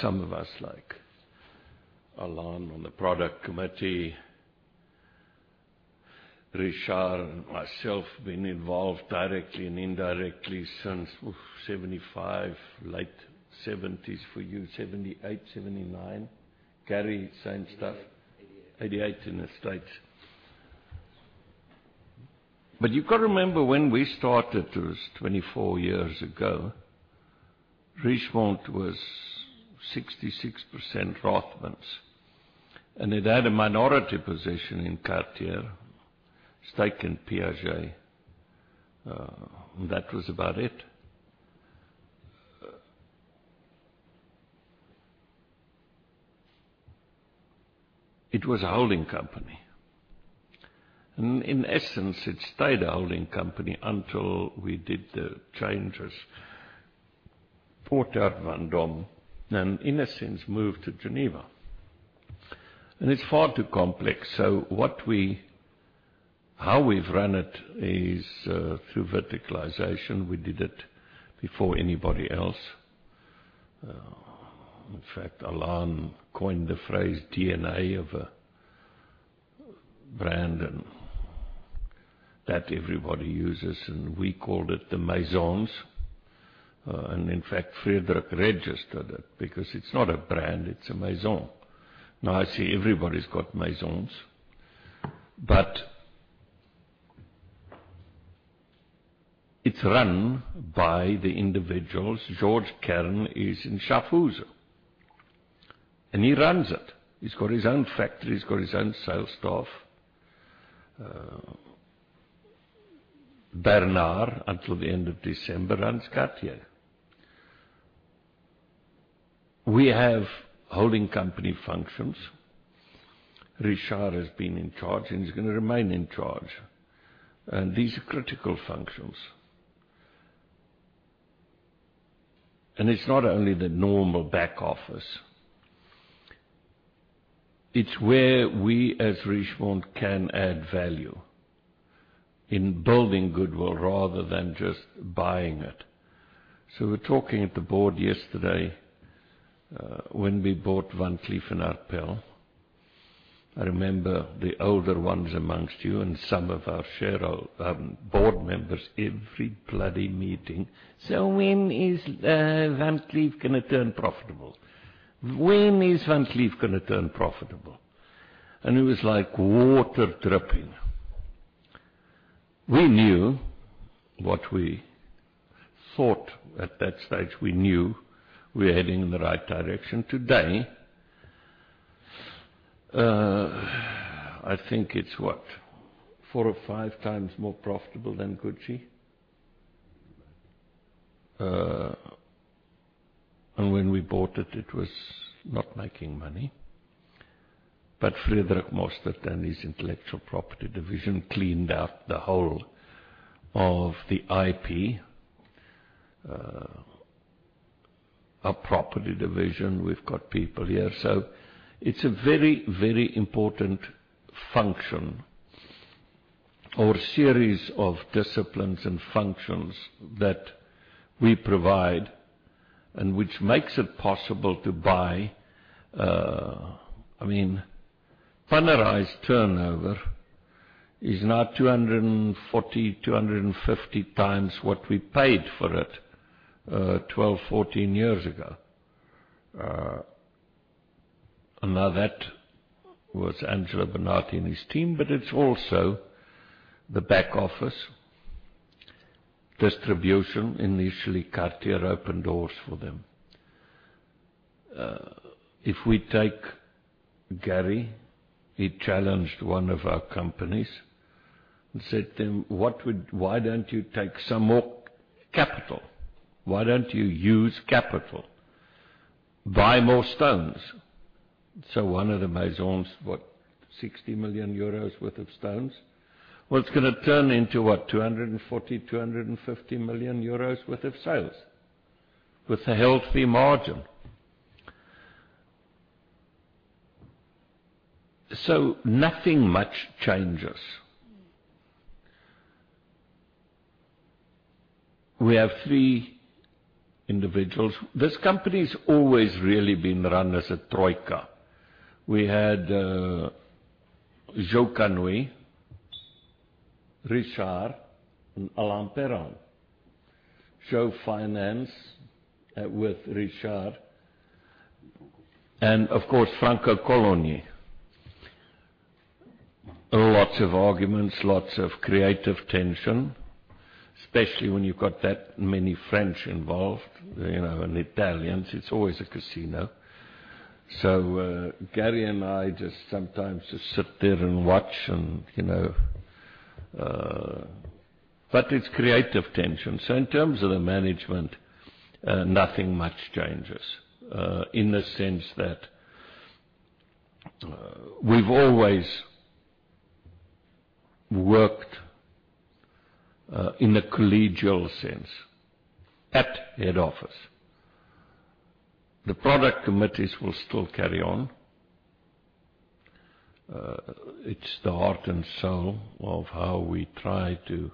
Some of us like Alain on the product committee, Richard and myself have been involved directly and indirectly since 1975, late 1970s for you, 1978, 1979. Gary, same stuff. 1988. 1988 in the U.S. You got to remember, when we started, it was 24 years ago. Richemont was 66% Rothmans, and it had a minority position in Cartier, stake in Piaget. That was about it. It was a holding company. In essence, it stayed a holding company until we did the changes. Brought her Vendôme, in essence, moved to Geneva. It's far too complex. How we've run it is through verticalization. We did it before anybody else. In fact, Alain coined the phrase DNA of a brand, that everybody uses, and we called it the Maisons. In fact, Frederick registered it because it's not a brand, it's a Maison. I see everybody's got Maisons. It's run by the individuals. Georges Kern is in Schaffhausen, and he runs it. He's got his own factory. He's got his own sales staff. Bernard, until the end of December, runs Cartier. We have holding company functions. Richard has been in charge, and he's going to remain in charge. These are critical functions. It's not only the normal back office. It's where we, as Richemont, can add value in building goodwill rather than just buying it. We were talking at the board yesterday. When we bought Van Cleef & Arpels, I remember the older ones amongst you and some of our board members every bloody meeting. "When is Van Cleef going to turn profitable? When is Van Cleef going to turn profitable?" It was like water dripping. We knew what we thought at that stage. We knew we were heading in the right direction. Today, I think it's what? four or five times more profitable than Gucci. Mm-hmm. When we bought it was not making money. Frederick Mostert and his intellectual property division cleaned out the whole of the IP. Our property division, we've got people here. It's a very, very important function or series of disciplines and functions that we provide and which makes it possible to buy. Panerai turnover is now 240, 250 times what we paid for it 12, 14 years ago. Now that was Angelo Bonati and his team, but it's also the back office. Distribution, initially, Cartier opened doors for them. If we take Gary, he challenged one of our companies and said to him, "Why don't you take some more capital? Why don't you use capital? Buy more stones." One of the Maisons, what? 60 million euros worth of stones. Well, it's going to turn into what? 240 million, 250 million euros worth of sales with a healthy margin. Nothing much changes. We have three individuals. This company's always really been run as a troika. We had Joe Kanoui Richard and Alain Perrin. Joe Finance with Richard. Of course, Franco Cologni. Lots of arguments, lots of creative tension, especially when you've got that many French involved and Italians. It's always a casino. Gary and I just sometimes just sit there and watch, but it's creative tension. In terms of the management, nothing much changes in the sense that we've always worked in a collegial sense at head office. The product committees will still carry on. It's the heart and soul of how we try to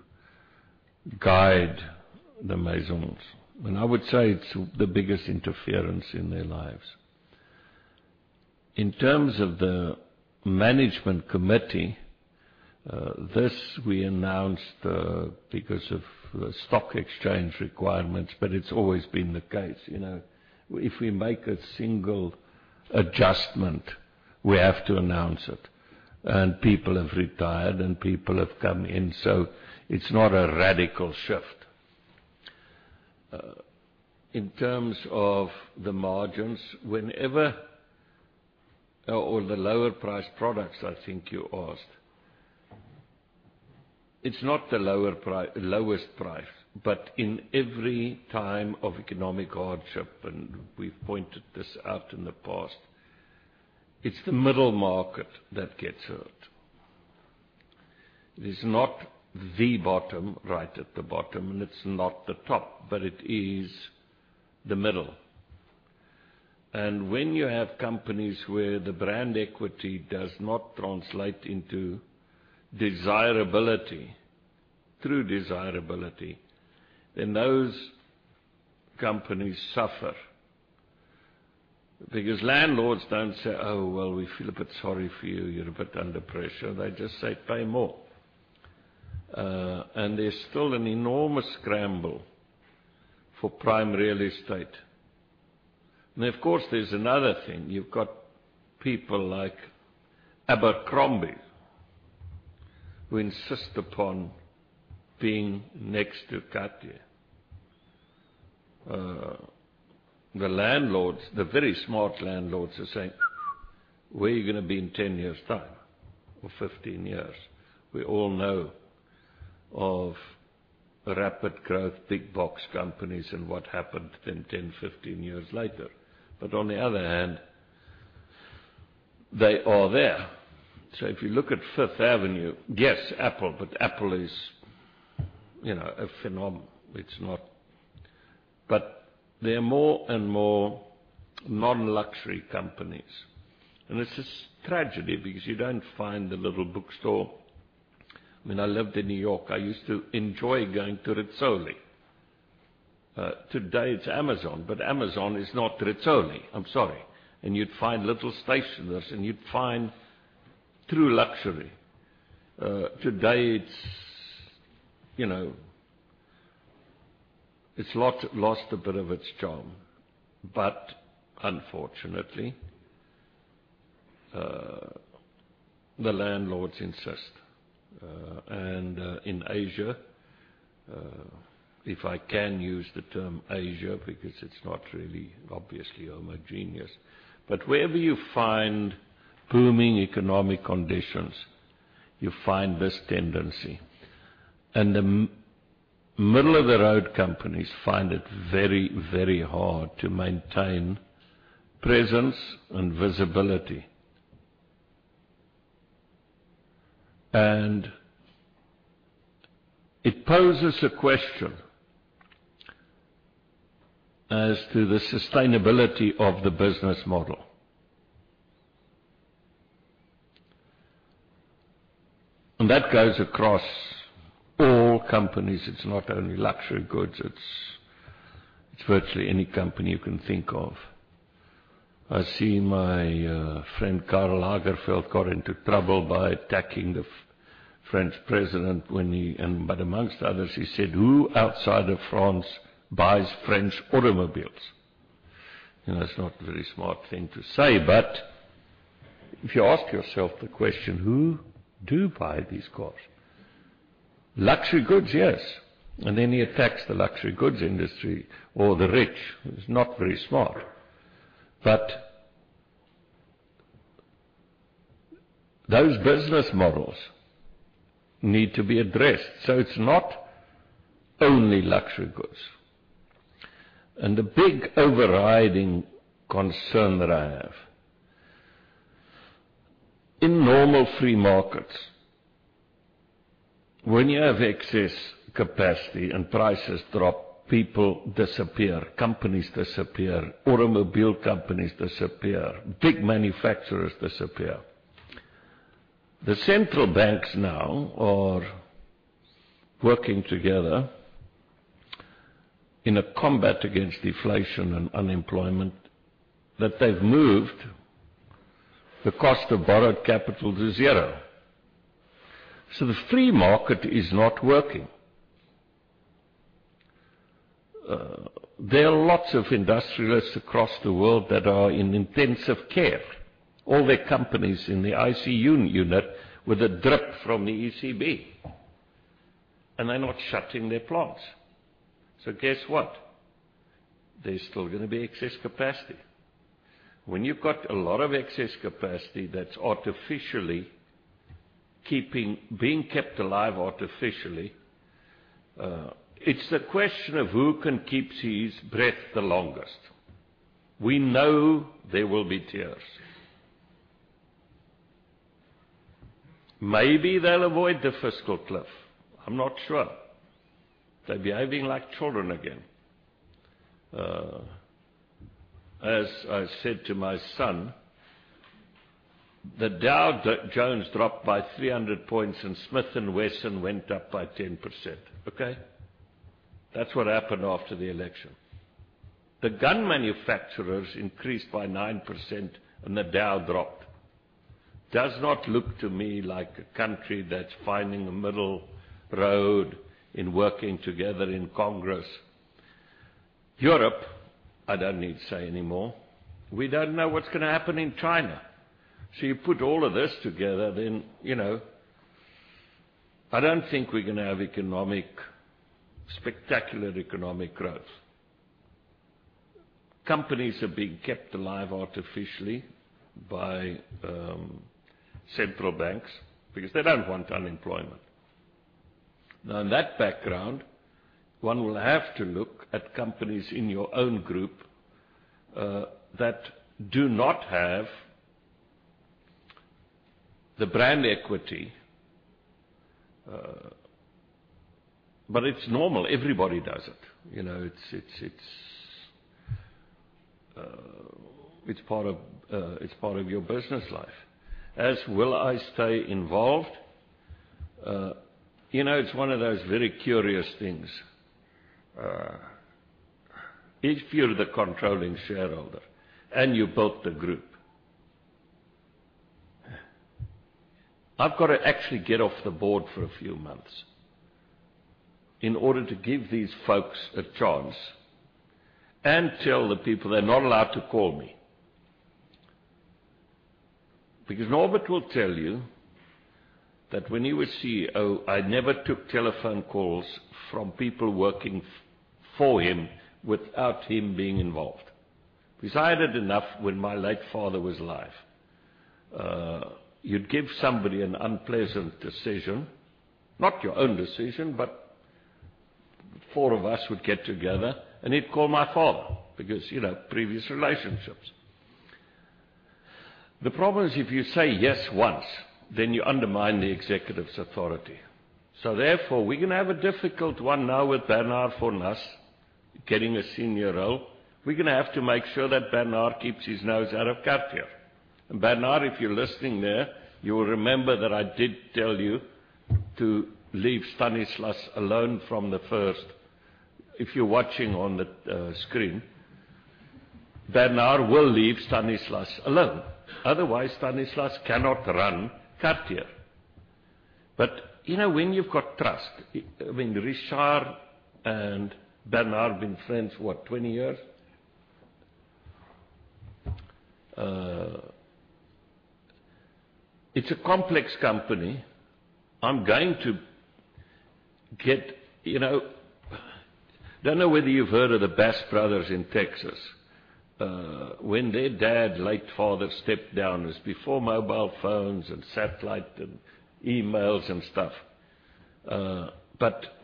guide the Maisons. I would say it's the biggest interference in their lives. In terms of the management committee, this we announced because of stock exchange requirements, but it's always been the case. If we make a single adjustment, we have to announce it, and people have retired, and people have come in. It's not a radical shift. In terms of the margins or the lower-priced products, I think you asked. It's not the lowest price, but in every time of economic hardship, and we've pointed this out in the past, it's the middle market that gets hurt. It is not the bottom right at the bottom, and it's not the top, but it is the middle. When you have companies where the brand equity does not translate into desirability, true desirability, then those companies suffer. Landlords don't say, "Oh, well, we feel a bit sorry for you. You're a bit under pressure." They just say, "Pay more." There's still an enormous scramble for prime real estate. Of course, there's another thing. You've got people like Abercrombie who insist upon being next to Cartier. The very smart landlords are saying, "Where are you going to be in 10 years' time or 15 years?" We all know of rapid growth, big box companies and what happened then 10, 15 years later. On the other hand, they are there. If you look at Fifth Avenue, yes, Apple, but Apple is a phenomenon. There are more and more non-luxury companies. It's a tragedy because you don't find the little bookstore. When I lived in New York, I used to enjoy going to Rizzoli. Today it's Amazon, but Amazon is not Rizzoli. I'm sorry. You'd find little stationers, and you'd find true luxury. Today, it's lost a bit of its charm. Unfortunately, the landlords insist. In Asia, if I can use the term Asia, because it's not really obviously homogeneous. Wherever you find booming economic conditions, you find this tendency. The middle-of-the-road companies find it very hard to maintain presence and visibility. It poses a question as to the sustainability of the business model. That goes across all companies. It's not only luxury goods. It's virtually any company you can think of. I see my friend Karl Lagerfeld got into trouble by attacking the French president. Amongst others, he said, "Who outside of France buys French automobiles?" That's not a very smart thing to say. If you ask yourself the question, who do buy these cars? Luxury goods, yes. Then he attacks the luxury goods industry or the rich, who's not very smart. Those business models need to be addressed. It's not only luxury goods. The big overriding concern that I have, in normal free markets, when you have excess capacity and prices drop, people disappear, companies disappear, automobile companies disappear, big manufacturers disappear. The central banks now are working together in a combat against deflation and unemployment, they've moved the cost of borrowed capital to zero. The free market is not working. There are lots of industrialists across the world that are in intensive care. All their companies in the ICU unit with a drip from the ECB. They're not shutting their plants. Guess what? There's still going to be excess capacity. When you've got a lot of excess capacity that's being kept alive artificially, it's the question of who can keep his breath the longest. We know there will be tears. Maybe they'll avoid the fiscal cliff. I'm not sure. They're behaving like children again. As I said to my son, the Dow Jones dropped by 300 points and Smith & Wesson went up by 10%. Okay? That's what happened after the election. The gun manufacturers increased by 9% and the Dow dropped. Does not look to me like a country that's finding a middle road in working together in Congress. Europe, I don't need to say anymore. We don't know what's going to happen in China. You put all of this together, I don't think we're going to have spectacular economic growth. Companies are being kept alive artificially by central banks because they don't want unemployment. In that background, one will have to look at companies in your own group that do not have the brand equity. It's normal. Everybody does it. It's part of your business life. As will I stay involved? It's one of those very curious things. If you're the controlling shareholder and you built the group, I've got to actually get off the board for a few months in order to give these folks a chance and tell the people they're not allowed to call me. Norbert will tell you that when he was CEO, I never took telephone calls from people working for him without him being involved. I had enough when my late father was alive. You'd give somebody an unpleasant decision, not your own decision, but four of us would get together and he'd call my father because previous relationships. The problem is, if you say yes once, you undermine the executive's authority. We're going to have a difficult one now with Bernard Fornas getting a senior role. We're going to have to make sure that Bernard keeps his nose out of Cartier. Bernard, if you're listening there, you will remember that I did tell you to leave Stanislas alone from the first. If you're watching on the screen, Bernard will leave Stanislas alone. Otherwise, Stanislas cannot run Cartier. When you've got trust, Richard and Bernard have been friends for what, 20 years? It's a complex company. I don't know whether you've heard of the Bass brothers in Texas. When their dad, late father, stepped down, it was before mobile phones and satellite and emails and stuff.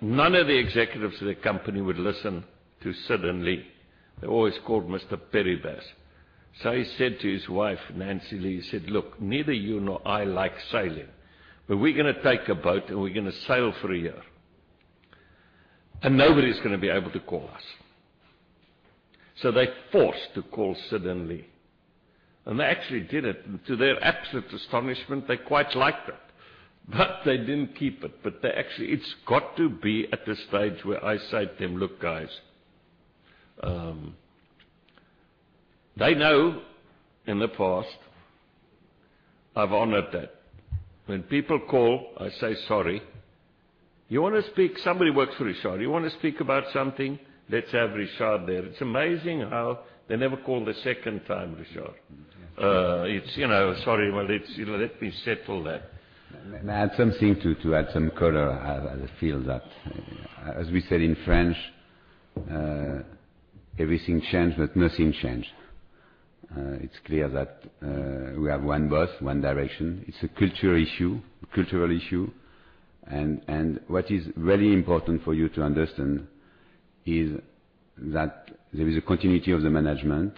None of the executives of the company would listen to Sid and Lee. They always called Mr. Perry Bass. He said to his wife, Nancy Lee, he said, "Look, neither you nor I like sailing. We're going to take a boat and we're going to sail for a year. Nobody's going to be able to call us." They forced to call Sid and Lee. They actually did it, and to their absolute astonishment, they quite liked it. They didn't keep it. It's got to be at the stage where I say to them, "Look, guys." They know in the past I've honored that. When people call, I say, "Sorry. Somebody works for Richard. You want to speak about something? Let's have Richard there." It's amazing how they never call the second time, Richard. It's, "Sorry, let me settle that. May I add something to add some color? I feel that as we said in French, everything change, but nothing change. It's clear that we have one boss, one direction. It's a cultural issue. What is really important for you to understand is that there is a continuity of the management.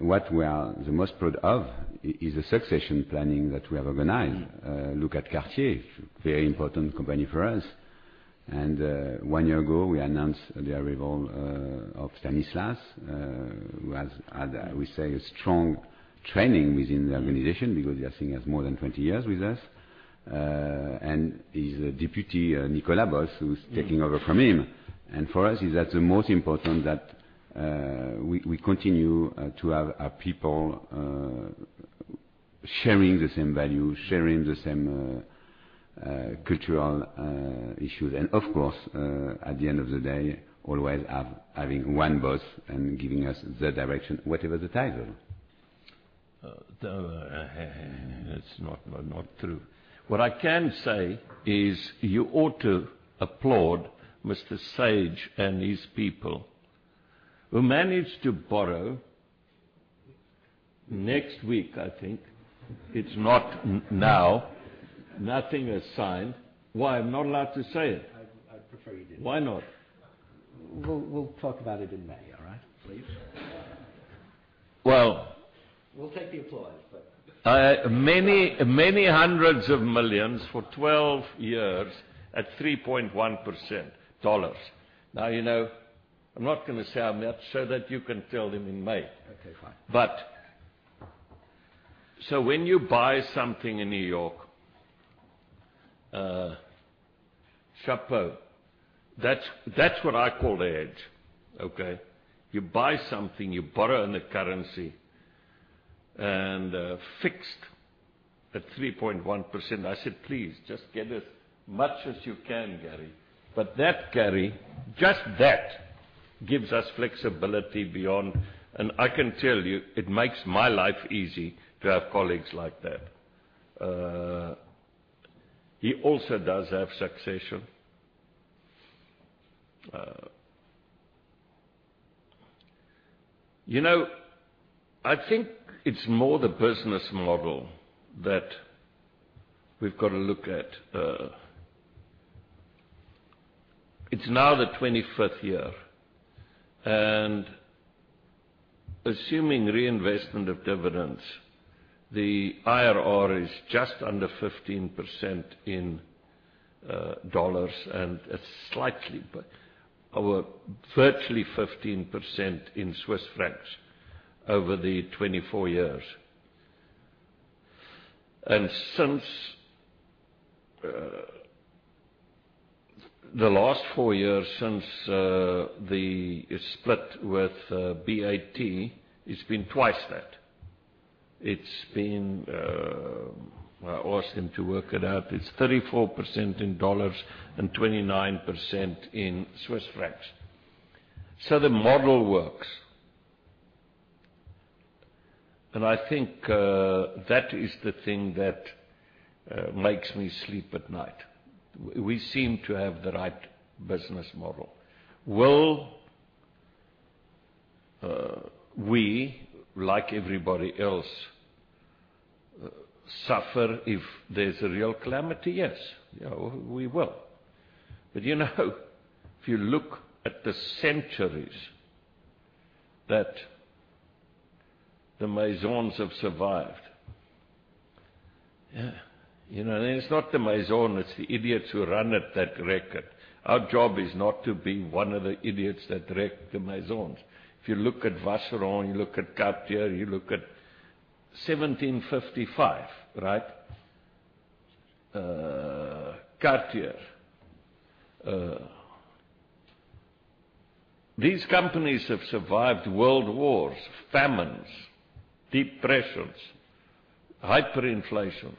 What we are the most proud of is the succession planning that we have organized. Look at Cartier, very important company for us. One year ago, we announced the arrival of Stanislas, who has had, I would say, a strong training within the organization because he has more than 20 years with us. His deputy, Nicolas Bos, who's taking over from him. For us, it's the most important that we continue to have our people sharing the same value, sharing the same cultural issues. Of course, at the end of the day, always having one boss and giving us the direction, whatever the title. That's not true. What I can say is you ought to applaud Mr. Saage and his people who managed to borrow next week, I think. It's not now. Nothing is signed. Why? I'm not allowed to say it. I'd prefer you didn't. Why not? We'll talk about it in May, all right? Please. Well We'll take the applause, but. Many hundreds of millions for 12 years at 3.1% dollars. You know, I'm not going to say how much so that you can tell them in May. Okay, fine. When you buy something in New York, chapeau. That's what I call the edge. Okay. You buy something, you borrow in a currency and fixed at 3.1%. I said, "Please, just get as much as you can, Gary." That, Gary, just that, gives us flexibility beyond. I can tell you, it makes my life easy to have colleagues like that. He also does have succession. I think it's more the business model that we've got to look at. It's now the 25th year, and assuming reinvestment of dividends, the IRR is just under 15% in dollars and it's slightly, but virtually 15% in Swiss francs over the 24 years. Since the last four years since the split with BAT, it's been twice that. I asked him to work it out. It's 34% in dollars and 29% in Swiss francs. The model works. I think that is the thing that makes me sleep at night. We seem to have the right business model. Will we, like everybody else, suffer if there's a real calamity? Yes. We will. If you look at the centuries that the Maisons have survived. It's not the Maison; it's the idiots who run it that wreck it. Our job is not to be one of the idiots that wreck the Maisons. If you look at Vacheron, you look at Cartier, you look at 1755, right? Cartier. These companies have survived world wars, famines, depressions, hyperinflations.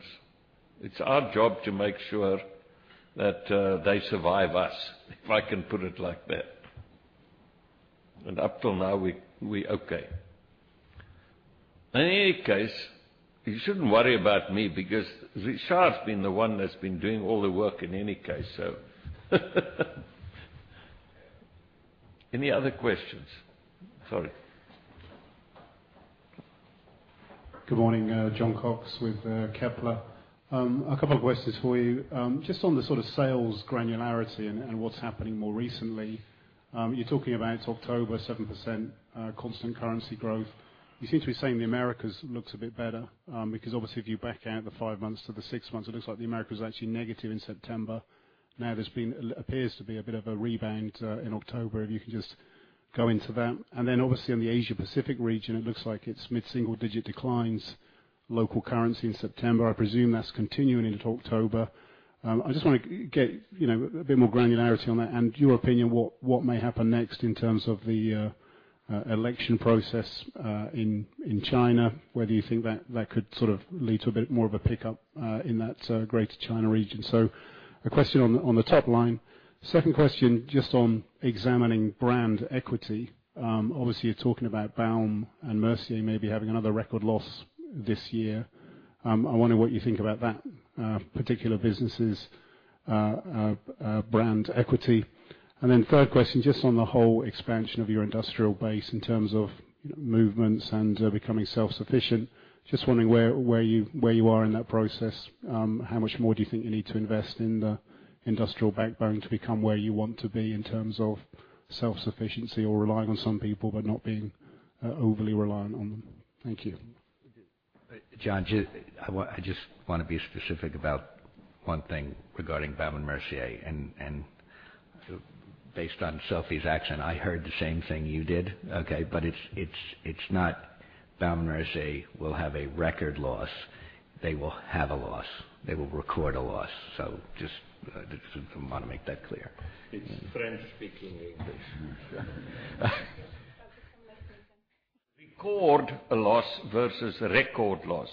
It's our job to make sure that they survive us, if I can put it like that. Up till now, we're okay. In any case, you shouldn't worry about me because Richard's been the one that's been doing all the work in any case. Any other questions? Sorry. Good morning. John Cox with Kepler. A couple of questions for you. On the sales granularity and what's happening more recently. You're talking about October, 7% constant currency growth. You seem to be saying the Americas looks a bit better, because if you back out the five months to the six months, it looks like the Americas was actually negative in September. There appears to be a bit of a rebound in October, if you can go into that. In the Asia-Pacific region, it looks like it's mid-single digit declines local currency in September. I presume that's continuing into October. I want to get a bit more granularity on that and your opinion what may happen next in terms of the election process in China. Whether you think that could lead to a bit more of a pickup in that Greater China region. A question on the top line. Second question, on examining brand equity. You're talking about Baume & Mercier maybe having another record loss this year. I wonder what you think about that particular business' brand equity. Third question, on the whole expansion of your industrial base in terms of movements and becoming self-sufficient. Wondering where you are in that process. How much more do you think you need to invest in the industrial backbone to become where you want to be in terms of self-sufficiency or relying on some people but not being overly reliant on them? Thank you. John, I want to be specific about one thing regarding Baume & Mercier. Based on Sophie's accent, I heard the same thing you did. Okay. It's not Baume & Mercier will have a record loss. They will have a loss. They will record a loss. Want to make that clear. It's French speaking English. Record a loss versus a record loss.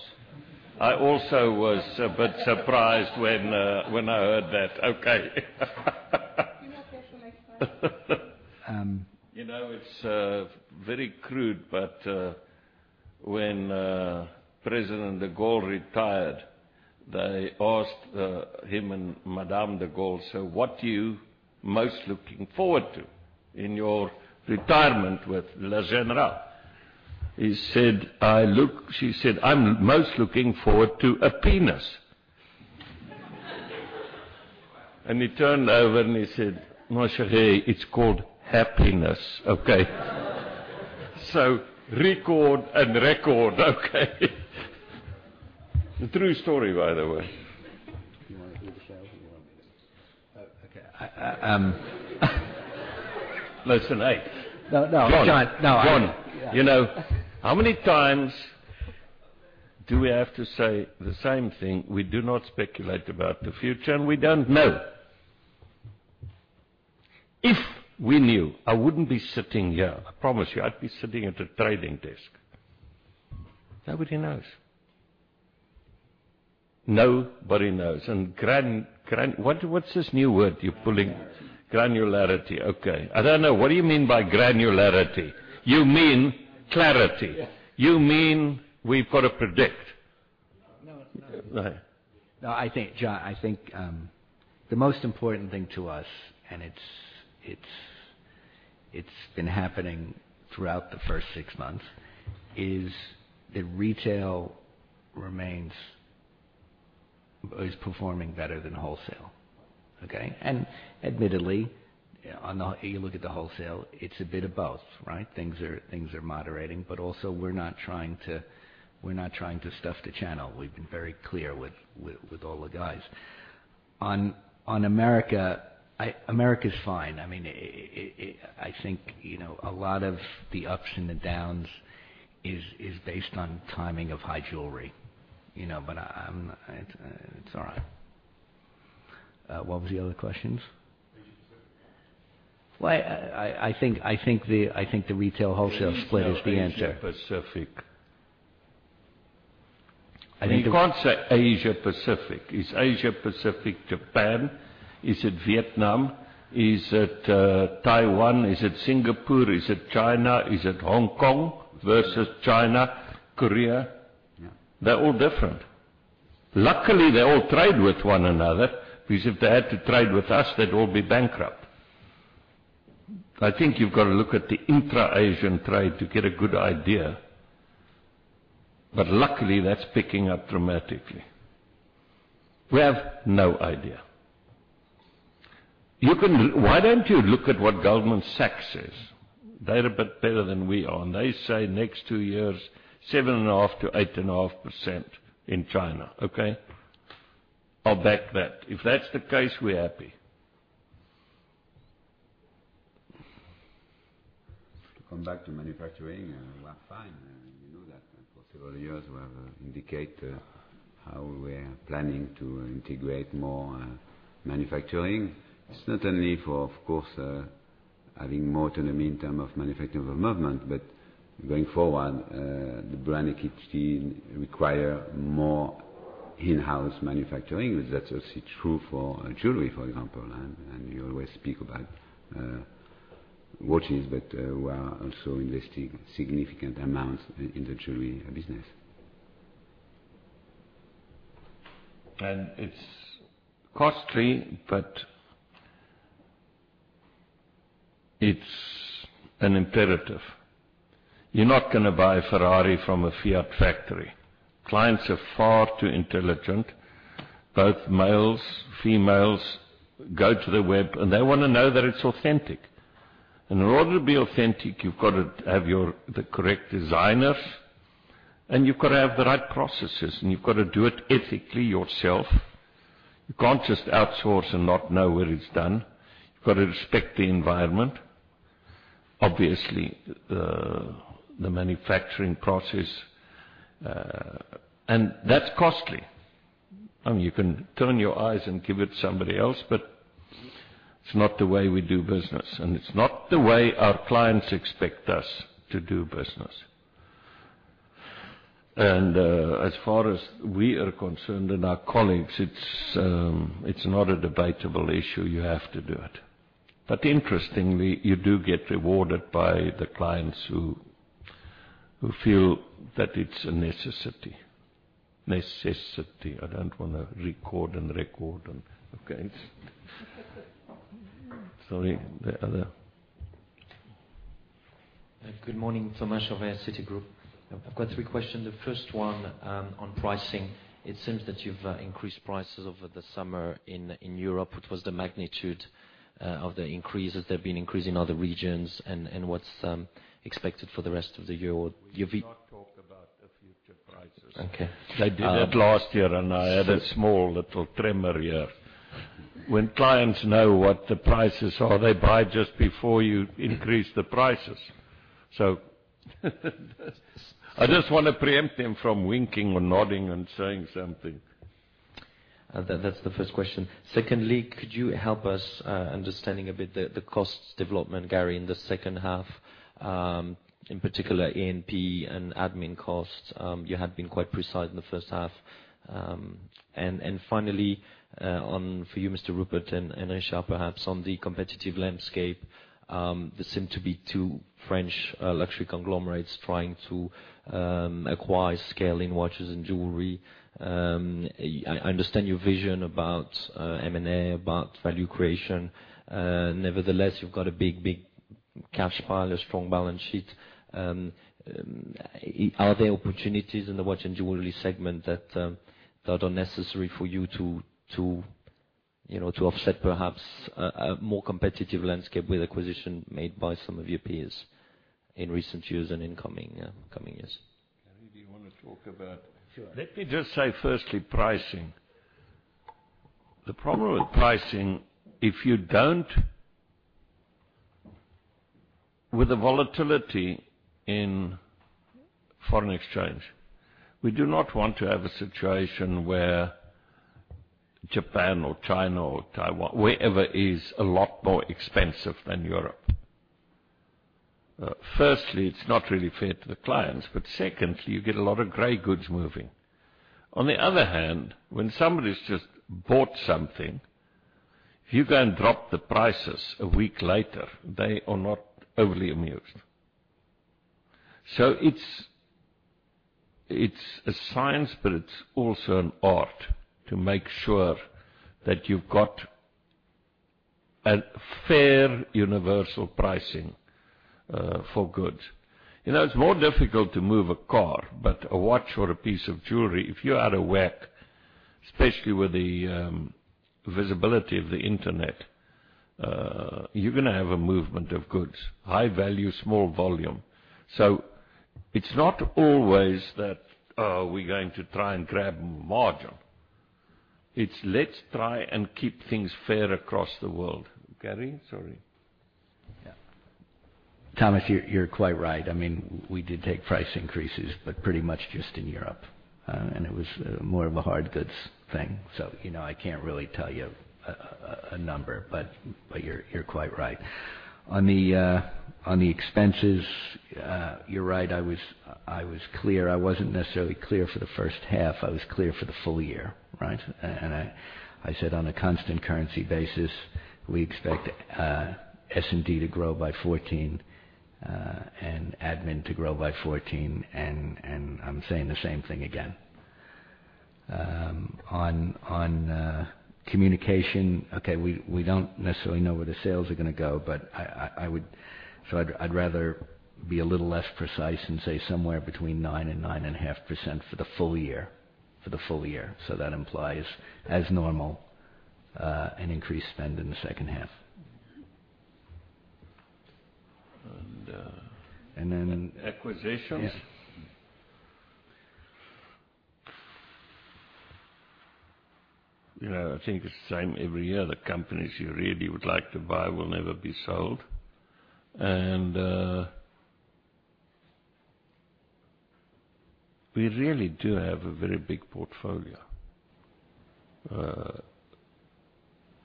I also was a bit surprised when I heard that. Okay. It's very crude, when President de Gaulle retired, they asked him and Madame de Gaulle, "What are you most looking forward to in your retirement with Le General?" She said, "I'm most looking forward to a penis." He turned over and he said, "Mon chere, it's called happiness." Okay. Record and recourse. Okay. A true story, by the way. Do you want me to share or do you want me to? Oh, okay. Listen, hey. No. John. No. John. How many times do we have to say the same thing? We do not speculate about the future, we don't know. If we knew, I wouldn't be sitting here, I promise you. I'd be sitting at a trading desk. Nobody knows. Nobody knows. What's this new word you're pulling? Granularity. Granularity. Okay. I don't know. What do you mean by granularity? You mean clarity. Yes. You mean we've got to predict. It's not. Go ahead. No, John, I think the most important thing to us, it's been happening throughout the first six months, is that retail is performing better than wholesale. Okay? Admittedly, you look at the wholesale, it's a bit of both, right? Things are moderating. Also, we're not trying to stuff the channel. We've been very clear with all the guys. On America's fine. I think a lot of the ups and the downs is based on timing of high jewelry. It's all right. What was the other questions? Asia-Pacific. Well, I think the retail wholesale split is the answer. The Asia-Pacific. I think- You can't say Asia-Pacific. Is Asia-Pacific Japan? Is it Vietnam? Is it Taiwan? Is it Singapore? Is it China? Is it Hong Kong versus China, Korea? Yeah. They're all different. Luckily, they all trade with one another, because if they had to trade with us, they'd all be bankrupt. I think you've got to look at the intra-Asian trade to get a good idea. Luckily, that's picking up dramatically. We have no idea. Why don't you look at what Goldman Sachs says? They're a bit better than we are, and they say next 2 years, 7.5%-8.5% in China, okay? I'll back that. If that's the case, we're happy. To come back to manufacturing, we are fine. You know that for several years, we have indicated how we are planning to integrate more manufacturing. It's not only for, of course, having more autonomy in terms of manufacturing of a movement, but going forward, the brand equity require more in-house manufacturing. That's also true for jewelry, for example. You always speak about watches, but we are also investing significant amounts in the jewelry business. It's costly, but it's an imperative. You're not going to buy a Ferrari from a Fiat factory. Clients are far too intelligent. Both males, females go to the web, and they want to know that it's authentic. In order to be authentic, you've got to have the correct designers, and you've got to have the right processes, and you've got to do it ethically yourself. You can't just outsource and not know where it's done. You've got to respect the environment, obviously the manufacturing process. That's costly. You can turn your eyes and give it to somebody else, but it's not the way we do business, and it's not the way our clients expect us to do business. As far as we are concerned and our colleagues, it's not a debatable issue. You have to do it. Interestingly, you do get rewarded by the clients who feel that it's a necessity. Necessity. Good morning. Thomas Chauvet, Citigroup. I've got three questions. The first one on pricing. It seems that you've increased prices over the summer in Europe. What was the magnitude of the increases? There have been increase in other regions, and what's expected for the rest of the year? Okay. They did it last year. I had a small little tremor here. When clients know what the prices are, they buy just before you increase the prices. I just want to preempt them from winking or nodding and saying something. That's the first question. Secondly, could you help us understanding a bit the costs development, Gary, in the second half, in particular A&P and admin costs? You had been quite precise in the first half. Finally, for you, Mr. Rupert, and Richard perhaps, on the competitive landscape. There seem to be two French luxury conglomerates trying to acquire scale in watches and jewelry. I understand your vision about M&A, about value creation. Nevertheless, you've got a big, big cash pile, a strong balance sheet. Are there opportunities in the watch and jewelry segment that are necessary for you to offset perhaps a more competitive landscape with acquisition made by some of your peers in recent years and in coming years? Gary, do you want to talk about- Sure. Let me just say, firstly, pricing. The problem with pricing, with the volatility in foreign exchange, we do not want to have a situation where Japan or China or Taiwan, wherever is a lot more expensive than Europe. Firstly, it's not really fair to the clients, but secondly, you get a lot of gray goods moving. On the other hand, when somebody's just bought something, if you go and drop the prices a week later, they are not overly amused. It's a science, but it's also an art to make sure that you've got a fair universal pricing for goods. It's more difficult to move a car, but a watch or a piece of jewelry, if you are out of whack, especially with the visibility of the internet, you're going to have a movement of goods, high value, small volume. It's not always that, oh, we're going to try and grab margin. It's let's try and keep things fair across the world. Gary, sorry. Yeah. Thomas, you're quite right. We did take price increases, pretty much just in Europe. It was more of a hard goods thing. I can't really tell you a number, but you're quite right. On the expenses, you're right. I was clear. I wasn't necessarily clear for the first half. I was clear for the full year. I said, on a constant currency basis, we expect S&D to grow by 14% and admin to grow by 14%. I'm saying the same thing again. On communication, okay, we don't necessarily know where the sales are going to go. I'd rather be a little less precise and say somewhere between 9% and 9.5% for the full year. That implies, as normal, an increased spend in the second half. And- Then- Acquisitions? Yeah. I think it's the same every year. The companies you really would like to buy will never be sold. We really do have a very big portfolio.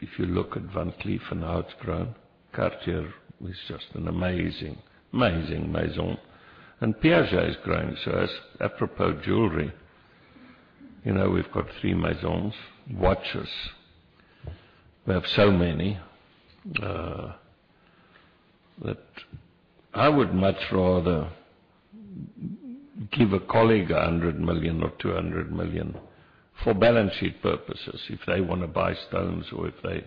If you look at Van Cleef and how it's grown, Cartier is just an amazing maison. Piaget is growing. As apropos jewelry, we've got three maisons. Watches. We have so many, that I would much rather give a colleague 100 million or 200 million for balance sheet purposes if they want to buy stones or if they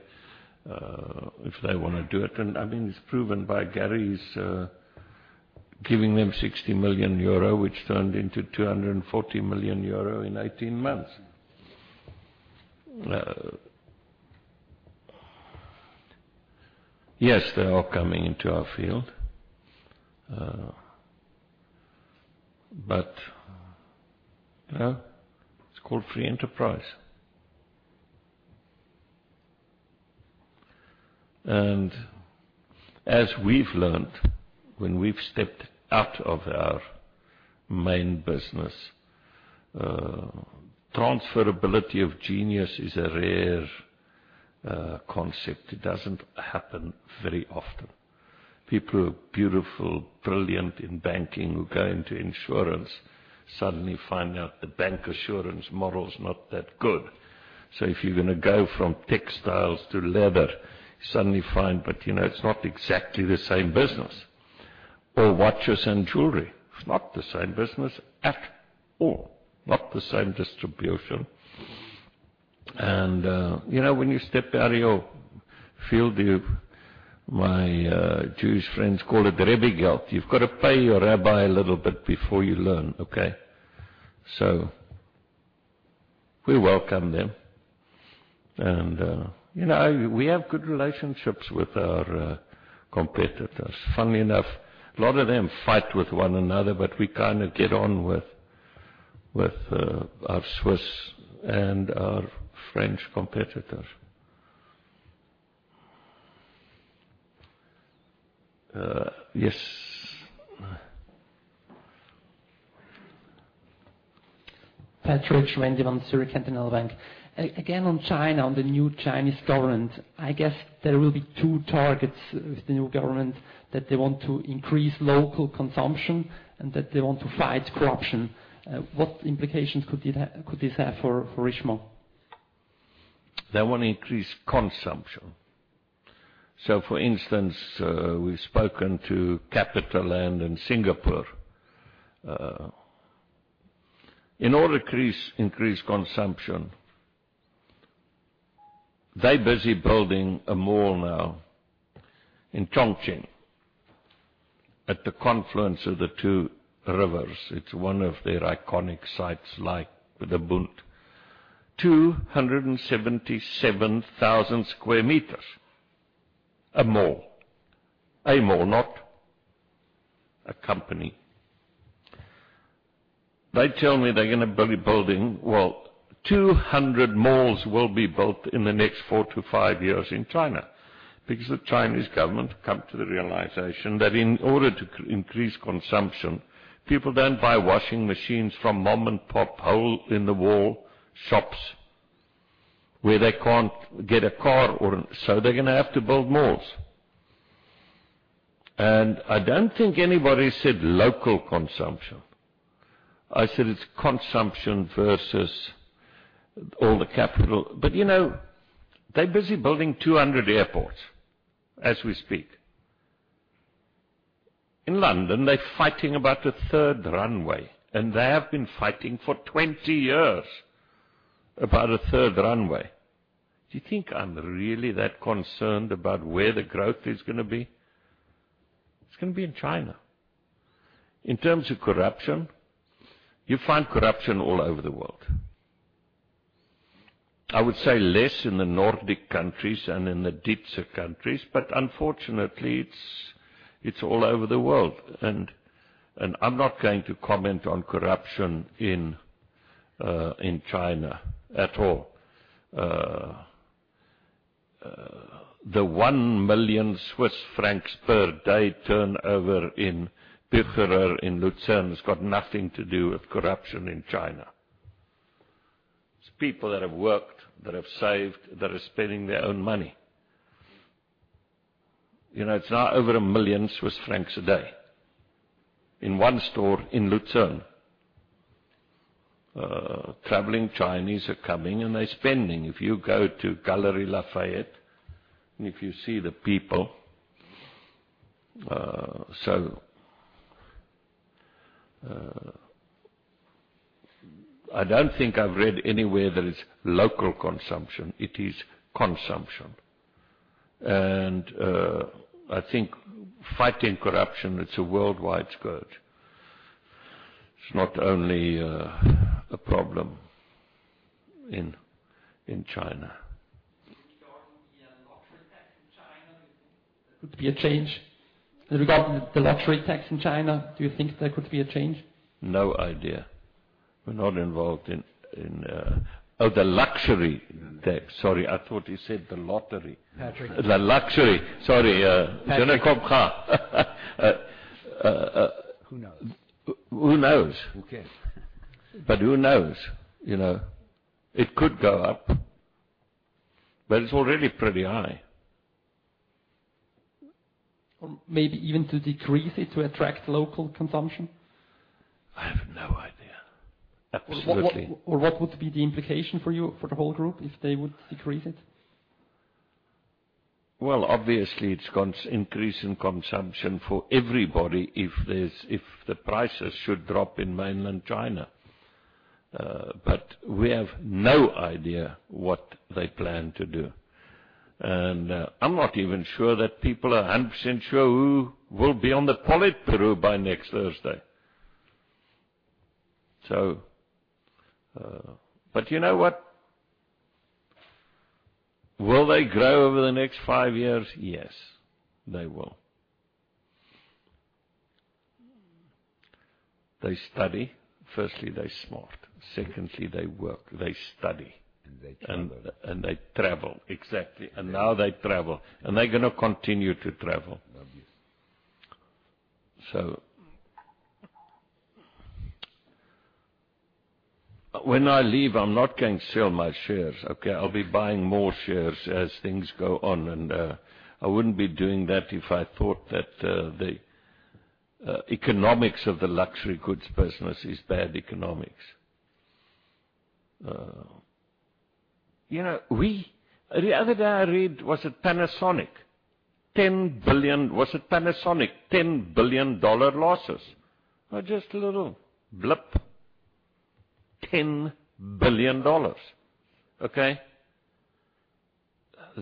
want to do it. It's proven by Gary's giving them 60 million euro, which turned into 240 million euro in 18 months. Yes, they are coming into our field. It's called free enterprise. As we've learned, when we've stepped out of our main business, transferability of genius is a rare concept. It doesn't happen very often. People who are beautiful, brilliant in banking, who go into insurance, suddenly find out the bancassurance model is not that good. If you're going to go from textiles to leather, you suddenly find, but it's not exactly the same business. Or watches and jewelry. It's not the same business at all, not the same distribution. When you step out of your field, my Jewish friends call it Rebbe gelt. You've got to pay your rabbi a little bit before you learn, okay? We welcome them. We have good relationships with our competitors. Funnily enough, a lot of them fight with one another, we get on with our Swiss and our French competitors. Yes. Patrik from Zürcher Kantonalbank. Again, on China, on the new Chinese government, I guess there will be two targets with the new government, that they want to increase local consumption and that they want to fight corruption. What implications could this have for Richemont? They want to increase consumption. For instance, we've spoken to CapitaLand in Singapore. In order to increase consumption, they're busy building a mall now in Chongqing. At the confluence of the two rivers. It's one of their iconic sites like with the Bund. 277,000 sq m. A mall. A mall, not a company. They tell me they're going to be building. Well, 200 malls will be built in the next four to five years in China. Because the Chinese government have come to the realization that in order to increase consumption, people don't buy washing machines from mom-and-pop hole-in-the-wall shops where they can't get a car. They're going to have to build malls. I don't think anybody said local consumption. I said it's consumption versus all the capital. They're busy building 200 airports as we speak. In London, they're fighting about a third runway. They have been fighting for 20 years about a third runway. Do you think I'm really that concerned about where the growth is going to be? It's going to be in China. In terms of corruption, you find corruption all over the world. I would say less in the Nordic countries and in the Dutch countries, but unfortunately, it's all over the world. I'm not going to comment on corruption in China at all. The 1 million Swiss francs per day turnover in Bucherer in Lucerne has got nothing to do with corruption in China. It's people that have worked, that have saved, that are spending their own money. It's now over 1 million Swiss francs a day in one store in Lucerne. Traveling Chinese are coming and they're spending. If you go to Galeries Lafayette and if you see the people. I don't think I've read anywhere that it's local consumption. It is consumption. I think fighting corruption, it's a worldwide scourge. It's not only a problem in China. Regarding the luxury tax in China, do you think there could be a change? Regarding the luxury tax in China, do you think there could be a change? No idea. We're not involved in Oh, the luxury tax. Sorry, I thought you said the lottery. Patrik. The luxury. Sorry. Patrik. Who knows? Who knows? Who cares? Who knows? It could go up. It's already pretty high. Maybe even to decrease it to attract local consumption. I have no idea. Absolutely. What would be the implication for you, for the whole group, if they would decrease it? Obviously, it's increase in consumption for everybody if the prices should drop in mainland China. We have no idea what they plan to do. I'm not even sure that people are 100% sure who will be on the Politburo by next Thursday. You know what? Will they grow over the next five years? Yes. They will. They study. Firstly, they're smart. Secondly, they work. They study. They travel. They travel. Exactly. Now they travel. And they're going to continue to travel. Obviously. When I leave, I'm not going to sell my shares, okay? I'll be buying more shares as things go on. I wouldn't be doing that if I thought that the economics of the luxury goods business is bad economics. The other day, I read, was it Panasonic? 10 billion. Was it Panasonic? EUR 10 billion losses. Just a little blip. EUR 10 billion. Okay.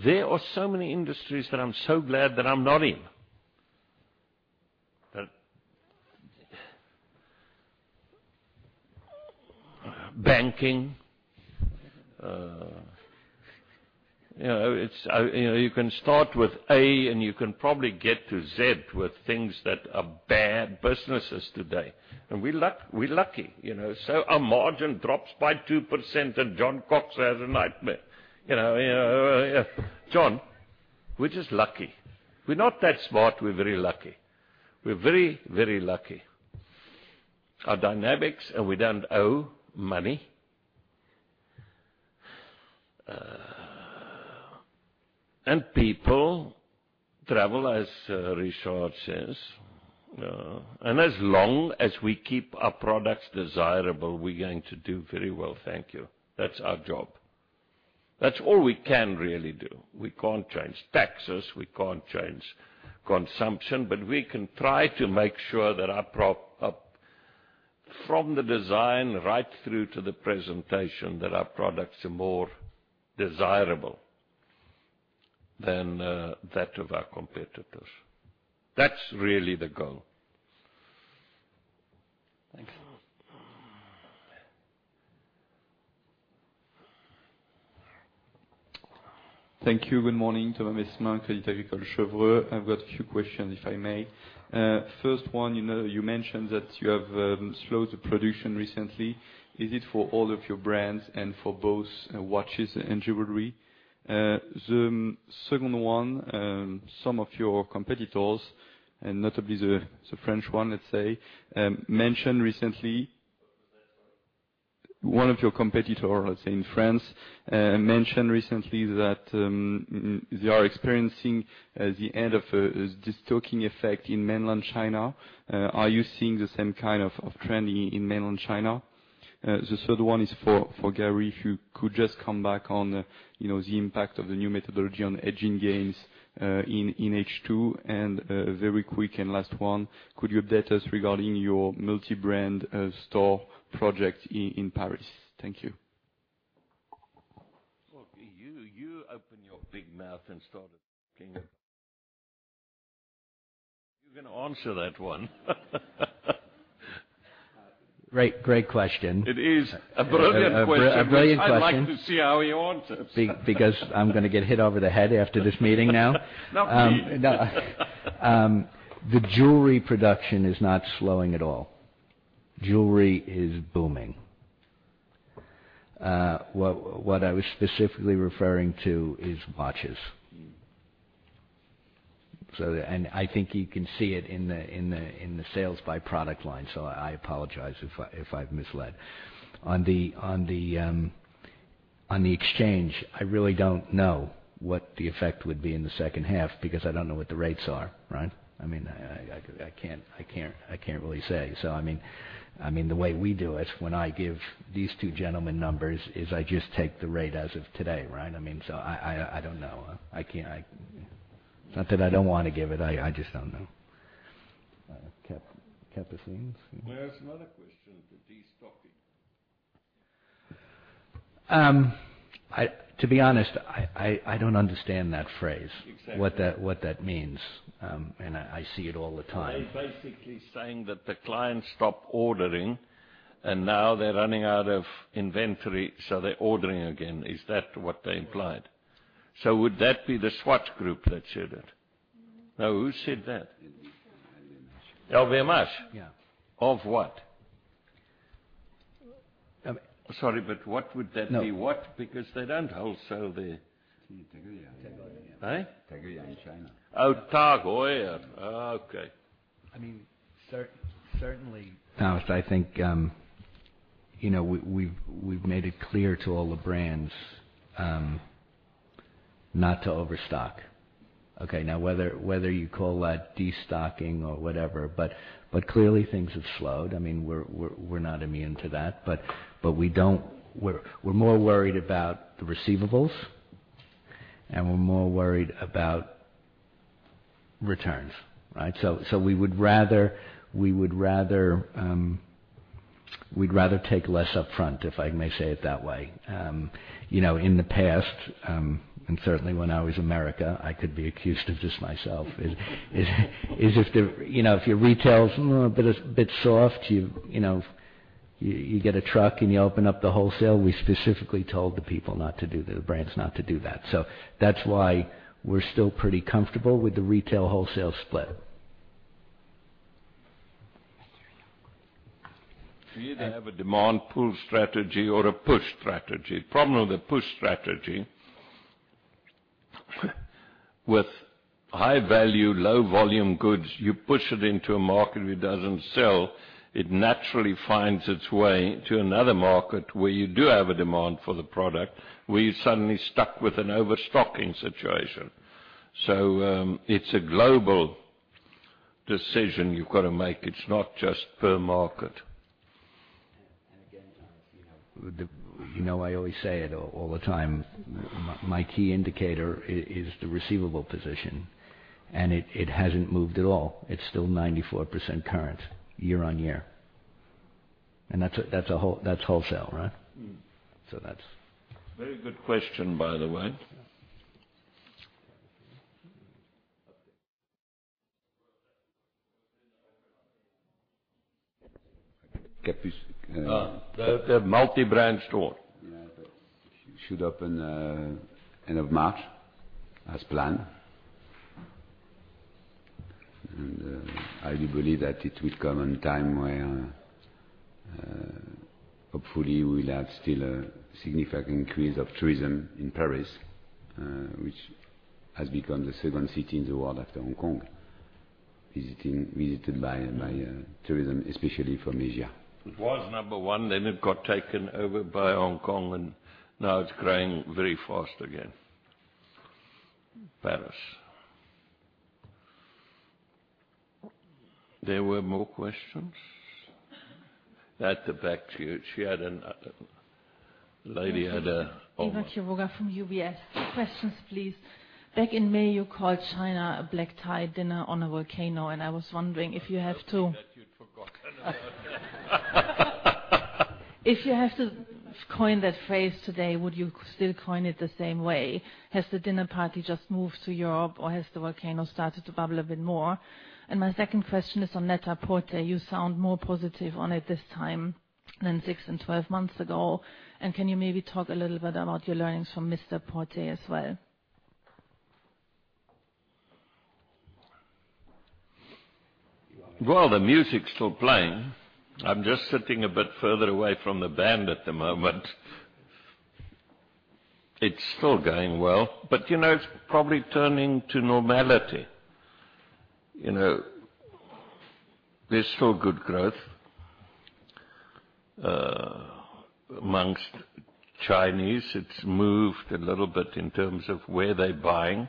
There are so many industries that I'm so glad that I'm not in. Banking. You can start with A and you can probably get to Z with things that are bad businesses today. We're lucky. Our margin drops by 2% and John Cox has a nightmare. John, we're just lucky. We're not that smart. We're very lucky. We're very lucky. Our dynamics, we don't owe money. People travel, as Richard says. As long as we keep our products desirable, we're going to do very well, thank you. That's our job. That's all we can really do. We can't change taxes. We can't change consumption. We can try to make sure that from the design right through to the presentation, that our products are more desirable than that of our competitors. That's really the goal. Thanks. Thank you. Good morning. Thomas Mesmin, Crédit Agricole Cheuvreux. I've got a few questions, if I may. First one, you mentioned that you have slowed the production recently. Is it for all of your brands and for both watches and jewelry? The second one of your competitors, let's say, in France, mentioned recently that they are experiencing the end of a destocking effect in mainland China. Are you seeing the same kind of trend in mainland China? The third one is for Gary. If you could just come back on the impact of the new methodology on hedging gains in H2. Very quick and last one, could you update us regarding your multi-brand store project in Paris? Thank you. Well, you opened your big mouth and started talking. You're going to answer that one. Great question. It is a brilliant question. A brilliant question. I'd like to see how he answers. Because I'm going to get hit over the head after this meeting now. Not me. The jewelry production is not slowing at all. Jewelry is booming. What I was specifically referring to is watches. I think you can see it in the sales by product line. I apologize if I've misled. On the exchange, I really don't know what the effect would be in the second half because I don't know what the rates are. I can't really say. The way we do it, when I give these two gentlemen numbers, is I just take the rate as of today. I don't know. It's not that I don't want to give it. I just don't know. Capucine? Where's my question to destocking? To be honest, I don't understand that phrase. Exactly. What that means. I see it all the time. I'm basically saying that the clients stopped ordering, now they're running out of inventory, so they're ordering again. Is that what they implied? Would that be The Swatch Group that said it? No, who said that? Hermès. Hermès? Yeah. Of what? Sorry, but what would that be? No. What? They don't wholesale the TAG Heuer in China. TAG Heuer. Okay. Certainly, Thomas, I think we've made it clear to all the brands not to overstock. Okay, now whether you call that destocking or whatever, clearly things have slowed. We're not immune to that, we're more worried about the receivables, we're more worried about returns. We'd rather take less upfront, if I may say it that way. In the past, certainly when I was America, I could be accused of this myself. If your retail is a bit soft, you get a truck and you open up the wholesale. We specifically told the people, the brands, not to do that. That's why we're still pretty comfortable with the retail wholesale split. You either have a demand pull strategy or a push strategy. Problem with the push strategy, with high value, low volume goods, you push it into a market, it doesn't sell, it naturally finds its way to another market where you do have a demand for the product, where you're suddenly stuck with an overstocking situation. It's a global decision you've got to make. It's not just per market. Again, Thomas, I always say it all the time. My key indicator is the receivable position, and it hasn't moved at all. It's still 94% current, year-on-year. That's wholesale, right? So that's- Very good question, by the way. Caprice. The multi-brand store. Yeah. That should open end of March, as planned. I do believe that it will come in time where hopefully we'll have still a significant increase of tourism in Paris, which has become the second city in the world after Hong Kong, visited by tourism, especially from Asia. It was number one, it got taken over by Hong Kong, now it's growing very fast again. Paris. There were more questions? At the back. Lady had a- Eva Kyrova from UBS. Questions, please. Back in May, you called China a black tie dinner on a volcano, I was wondering if you had to- I was hoping that you'd forgot. If you have to coin that phrase today, would you still coin it the same way? Has the dinner party just moved to Europe, or has the volcano started to bubble a bit more? My second question is on Net-a-Porter. You sound more positive on it this time than six and 12 months ago. Can you maybe talk a little bit about your learnings from Mr Porter as well? Well, the music's still playing. I'm just sitting a bit further away from the band at the moment. It's still going well. It's probably turning to normality. There's still good growth. Amongst Chinese, it's moved a little bit in terms of where they're buying.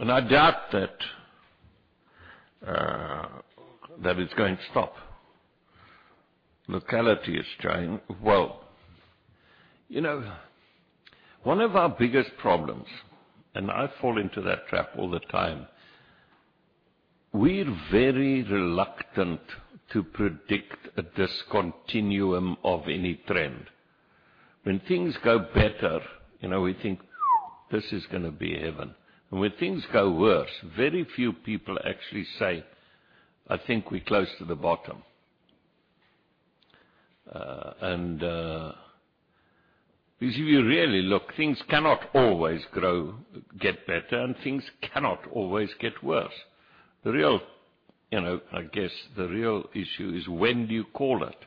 I doubt that it's going to stop. Locality is changing. Well, one of our biggest problems, and I fall into that trap all the time, we're very reluctant to predict a discontinuum of any trend. When things go better, we think, "This is going to be heaven." When things go worse, very few people actually say, "I think we're close to the bottom." Because if you really look, things cannot always grow, get better, and things cannot always get worse. I guess the real issue is when do you call it?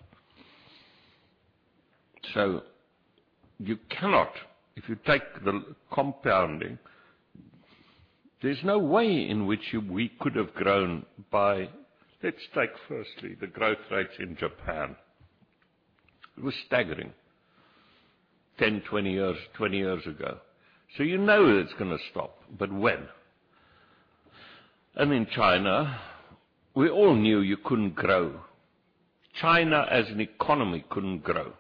You cannot, if you take the compounding, there's no way in which we could have grown by. Let's take firstly the growth rates in Japan. It was staggering 10, 20 years ago. You know it's going to stop. When? In China, we all knew you couldn't grow. China as an economy couldn't grow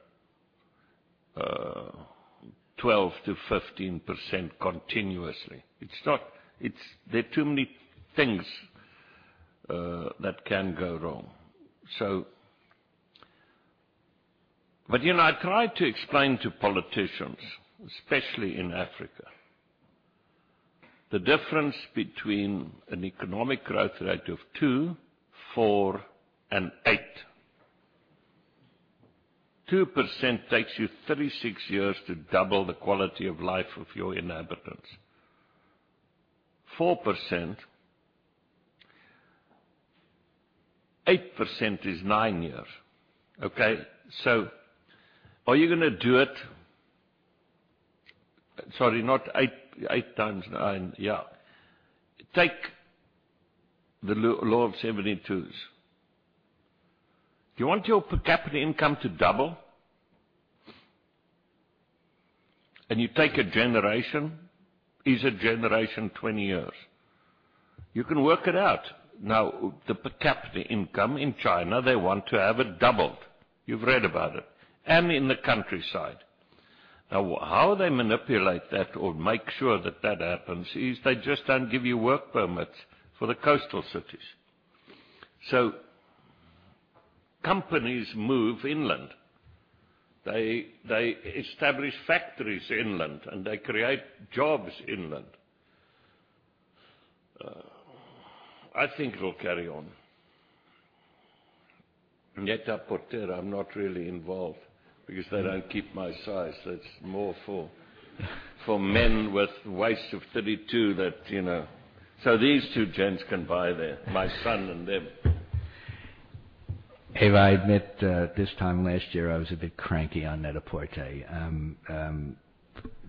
12%-15% continuously. There are too many things that can go wrong. I try to explain to politicians, especially in Africa, the difference between an economic growth rate of 2%, 4% and 8%. 2% takes you 36 years to double the quality of life of your inhabitants. 4%. 8% is nine years. Okay? Are you going to do it? Sorry, not eight times nine. Yeah. Take the law of 72s. If you want your per capita income to double, and you take a generation, is a generation 20 years. You can work it out. The per capita income in China, they want to have it doubled. You've read about it. In the countryside. How they manipulate that or make sure that that happens is they just don't give you work permits for the coastal cities. Companies move inland. They establish factories inland, and they create jobs inland. I think it will carry on. Net-a-Porter, I'm not really involved because they don't keep my size. That's more for men with waists of 32. These two gents can buy there, my son and them. Eva, I admit, this time last year, I was a bit cranky on Net-a-Porter.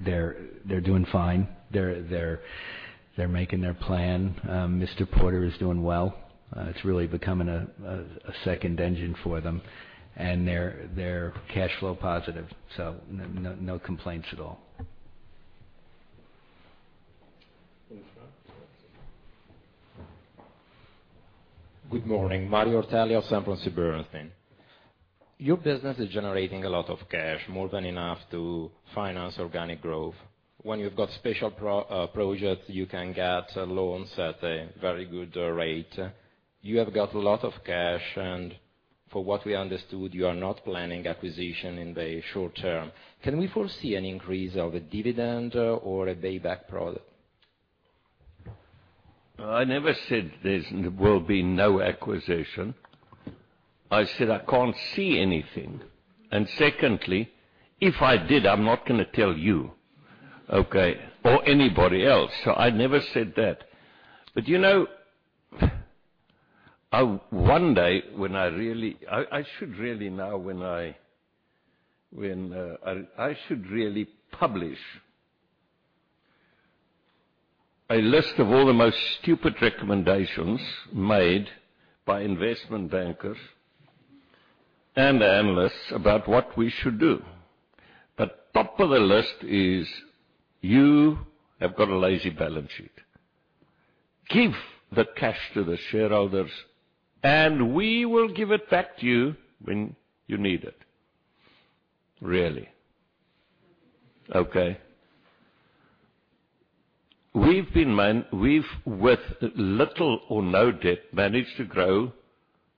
They're doing fine. They're making their plan. MR PORTER is doing well. It's really becoming a second engine for them. They're cash flow positive. No complaints at all. In the front. Good morning. Mario Ortelli, Sanford C. Bernstein. Your business is generating a lot of cash, more than enough to finance organic growth. When you've got special projects, you can get loans at a very good rate. You have got a lot of cash. From what we understood, you are not planning acquisition in the short term. Can we foresee an increase of a dividend or a buyback product? I never said there will be no acquisition. I said I can't see anything. Secondly, if I did, I'm not going to tell you, okay? Or anybody else. I never said that. One day, I should really publish a list of all the most stupid recommendations made by investment bankers and analysts about what we should do. At top of the list is, "You have got a lazy balance sheet. Give the cash to the shareholders, and we will give it back to you when you need it." Really? Okay. We've, with little or no debt, managed to grow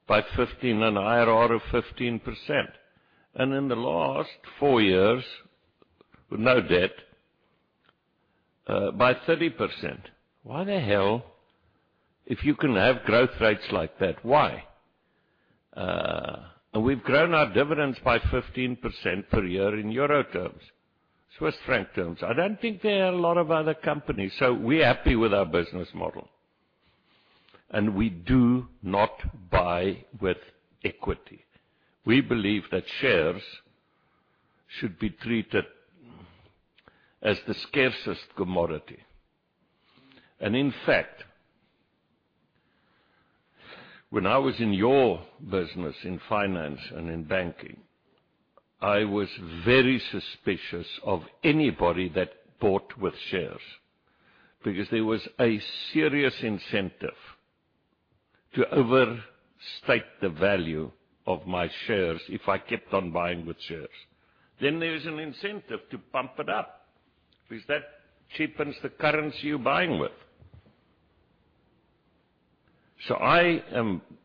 by 15%, an IRR of 15%. In the last four years, with no debt, by 30%. Why the hell, if you can have growth rates like that, why? We've grown our dividends by 15% per year in EUR terms, CHF terms. I don't think there are a lot of other companies. We're happy with our business model. We do not buy with equity. We believe that shares should be treated as the scarcest commodity. In fact, when I was in your business, in finance and in banking, I was very suspicious of anybody that bought with shares. Because there was a serious incentive to overstate the value of my shares if I kept on buying with shares. There is an incentive to pump it up, because that cheapens the currency you're buying with.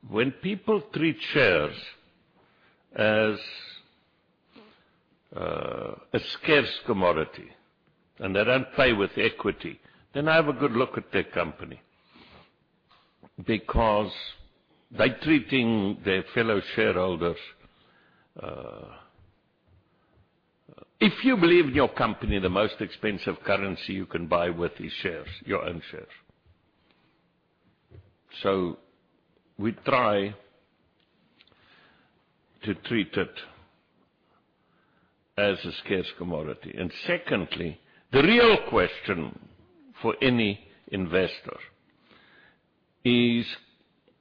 When people treat shares as a scarce commodity, and they don't play with equity, then I have a good look at their company. Because they're treating their fellow shareholders. If you believe in your company, the most expensive currency you can buy with is shares, your own shares. We try to treat it as a scarce commodity. Secondly, the real question for any investor is,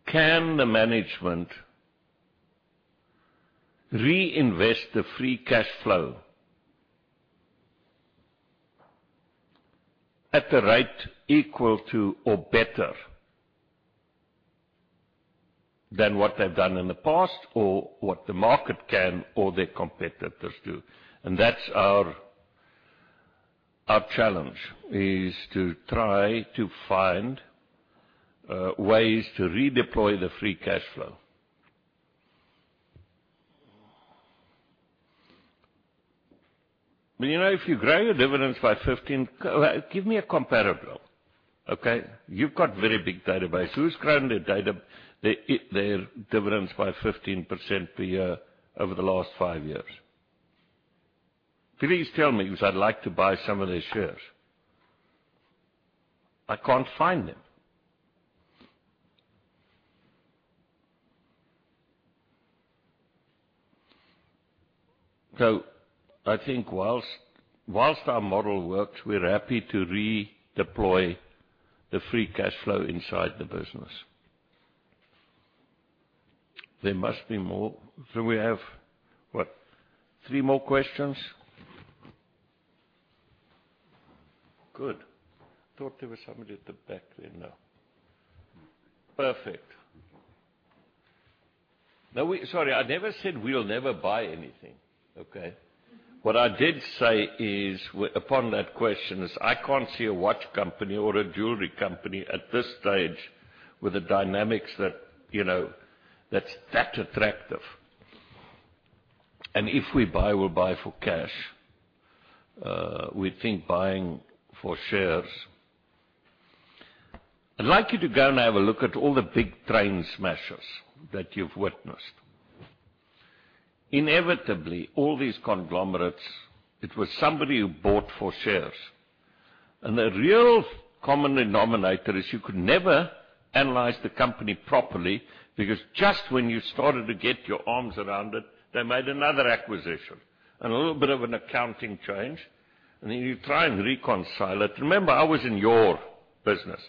can the management reinvest the free cash flow at a rate equal to or better than what they've done in the past, or what the market can, or their competitors do? That's our challenge, is to try to find ways to redeploy the free cash flow. If you grow your dividends by 15%, give me a comparable, okay? You've got very big database. Who's grown their dividends by 15% per year over the last five years? Please tell me, because I'd like to buy some of their shares. I can't find them. I think whilst our model works, we're happy to redeploy the free cash flow inside the business. There must be more. Do we have, what, three more questions? Good. Thought there was somebody at the back there. No. Perfect. Sorry, I never said we'll never buy anything, okay? What I did say is, upon that question, is I can't see a watch company or a jewelry company at this stage with the dynamics that's that attractive. If we buy, we'll buy for cash. We think buying for shares I'd like you to go and have a look at all the big train smashes that you've witnessed. Inevitably, all these conglomerates, it was somebody who bought for shares. The real common denominator is you could never analyze the company properly, because just when you started to get your arms around it, they made another acquisition. A little bit of an accounting change. Then you try and reconcile it. Remember, I was in your business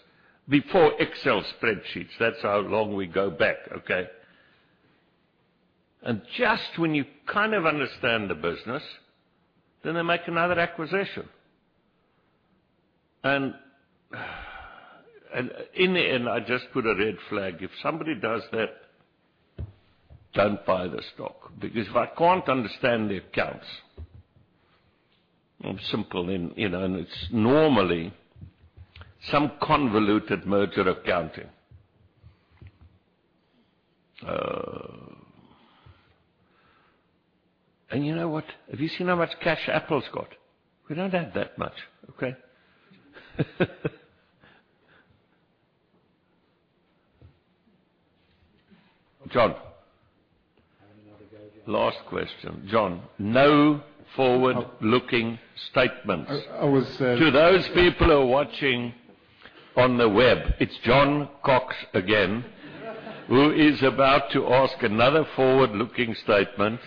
before Excel spreadsheets. That's how long we go back, okay? Just when you kind of understand the business, then they make another acquisition. In the end, I just put a red flag. If somebody does that, don't buy the stock. Because if I can't understand the accounts, I'm simple. It's normally some convoluted merger accounting. You know what? Have you seen how much cash Apple's got? We don't have that much, okay? John. Have another go, John. Last question. John, no forward-looking statements. I was- To those people who are watching on the web, it's John Cox again who is about to ask another forward-looking statement.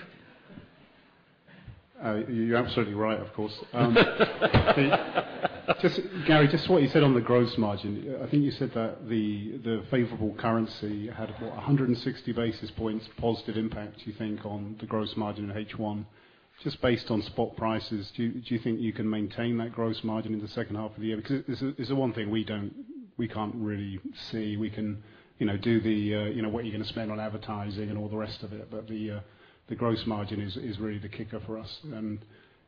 You're absolutely right, of course. Gary, just what you said on the gross margin. I think you said that the favorable currency had, what, 160 basis points positive impact, do you think, on the gross margin in H1. Just based on spot prices, do you think you can maintain that gross margin in the second half of the year? It's the one thing we can't really see. We can do what you're going to spend on advertising and all the rest of it. The gross margin is really the kicker for us.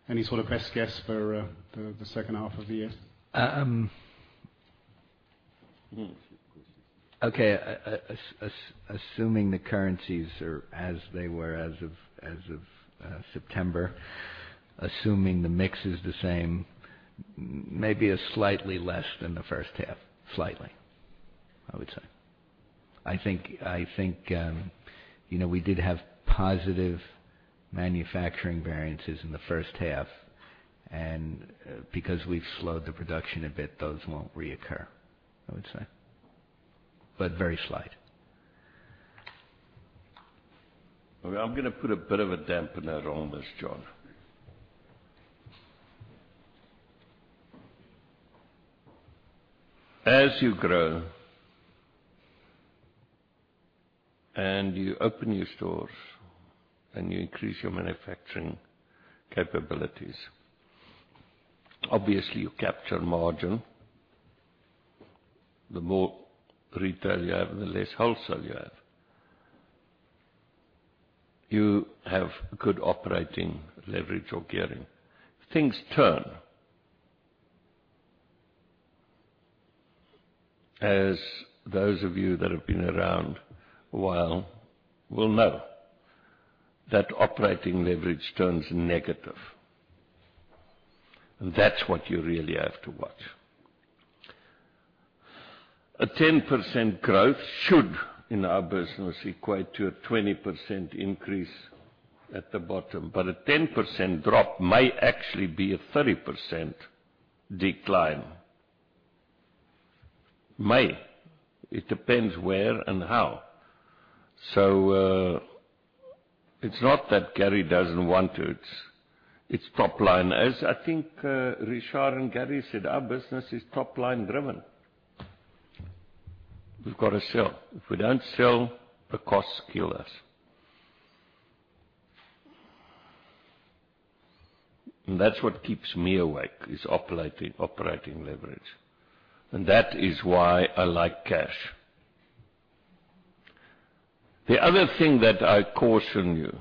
Any sort of best guess for the second half of the year? You want to see. Okay. Assuming the currencies are as they were as of September. Assuming the mix is the same. Maybe slightly less than the first half. Slightly, I would say. I think we did have positive manufacturing variances in the first half. Because we've slowed the production a bit, those won't reoccur, I would say. Very slight. I'm going to put a bit of a dampener on this, John. As you grow and you open new stores and you increase your manufacturing capabilities, obviously, you capture margin. The more retail you have, the less wholesale you have. You have good operating leverage or gearing. Things turn. As those of you that have been around a while will know, that operating leverage turns negative. That's what you really have to watch. A 10% growth should, in our business, equate to a 20% increase at the bottom. A 10% drop may actually be a 30% decline. May. It depends where and how. It's not that Gary doesn't want to. It's top-line. As I think Richard and Gary said, our business is top-line driven. We've got to sell. If we don't sell, the costs kill us. That's what keeps me awake, is operating leverage. That is why I like cash. The other thing that I caution you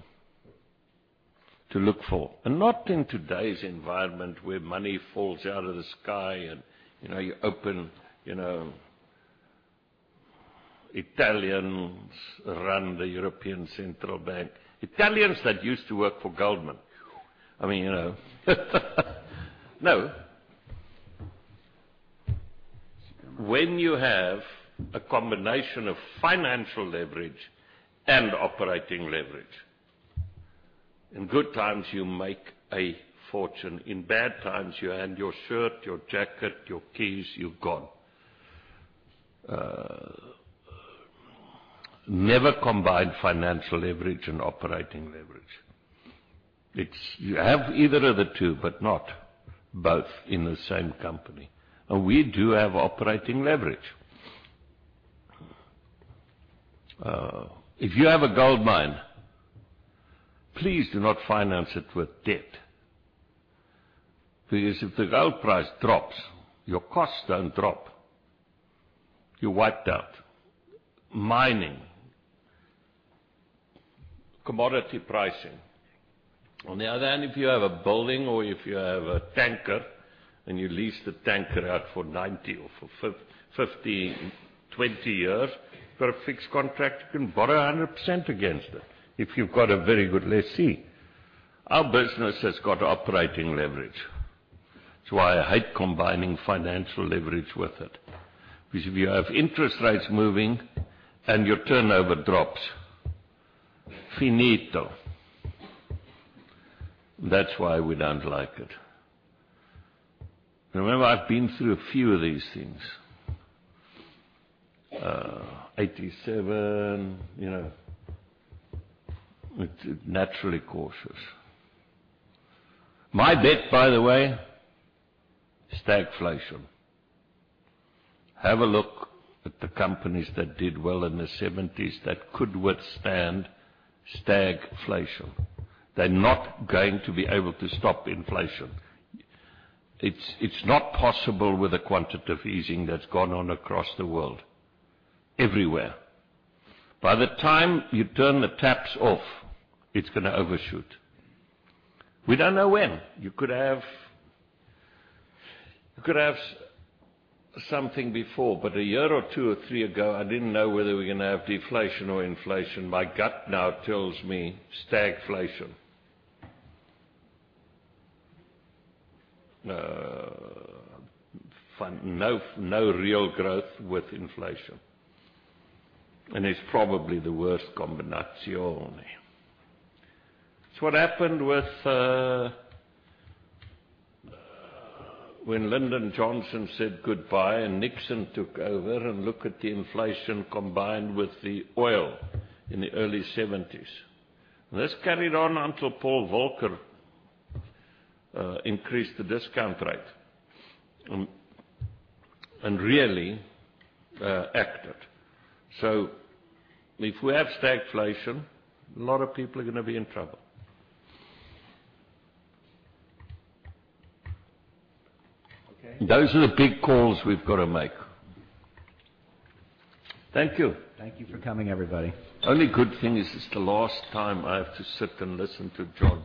to look for, not in today's environment where money falls out of the sky and you open. Italians run the European Central Bank. Italians that used to work for Goldman. I mean, no. When you have a combination of financial leverage and operating leverage, in good times, you make a fortune. In bad times, you earn your shirt, your jacket, your keys, you're gone. Never combine financial leverage and operating leverage. You have either of the two, but not both in the same company. We do have operating leverage. If you have a goldmine, please do not finance it with debt. If the gold price drops, your costs don't drop. You're wiped out. Mining. Commodity pricing. On the other hand, if you have a building or if you have a tanker and you lease the tanker out for 90 or for 15-20 years for a fixed contract, you can borrow 100% against it if you've got a very good lessee. Our business has got operating leverage. It's why I hate combining financial leverage with it. If you have interest rates moving and your turnover drops, finito. That's why we don't like it. Remember, I've been through a few of these things. 1987. Naturally cautious. My bet, by the way, is stagflation. Have a look at the companies that did well in the 1970s that could withstand stagflation. They're not going to be able to stop inflation. It's not possible with the quantitative easing that's gone on across the world, everywhere. By the time you turn the taps off, it's going to overshoot. We don't know when. You could have something before, but a year or two or three ago, I didn't know whether we were going to have deflation or inflation. My gut now tells me stagflation. No real growth with inflation, it's probably the worst combination. It's what happened when Lyndon Johnson said goodbye and Richard Nixon took over, look at the inflation combined with the oil in the early 1970s. This carried on until Paul Volcker increased the discount rate and really acted. If we have stagflation, a lot of people are going to be in trouble. Okay. Those are the big calls we've got to make. Thank you. Thank you for coming, everybody. Only good thing is it's the last time I have to sit and listen to John.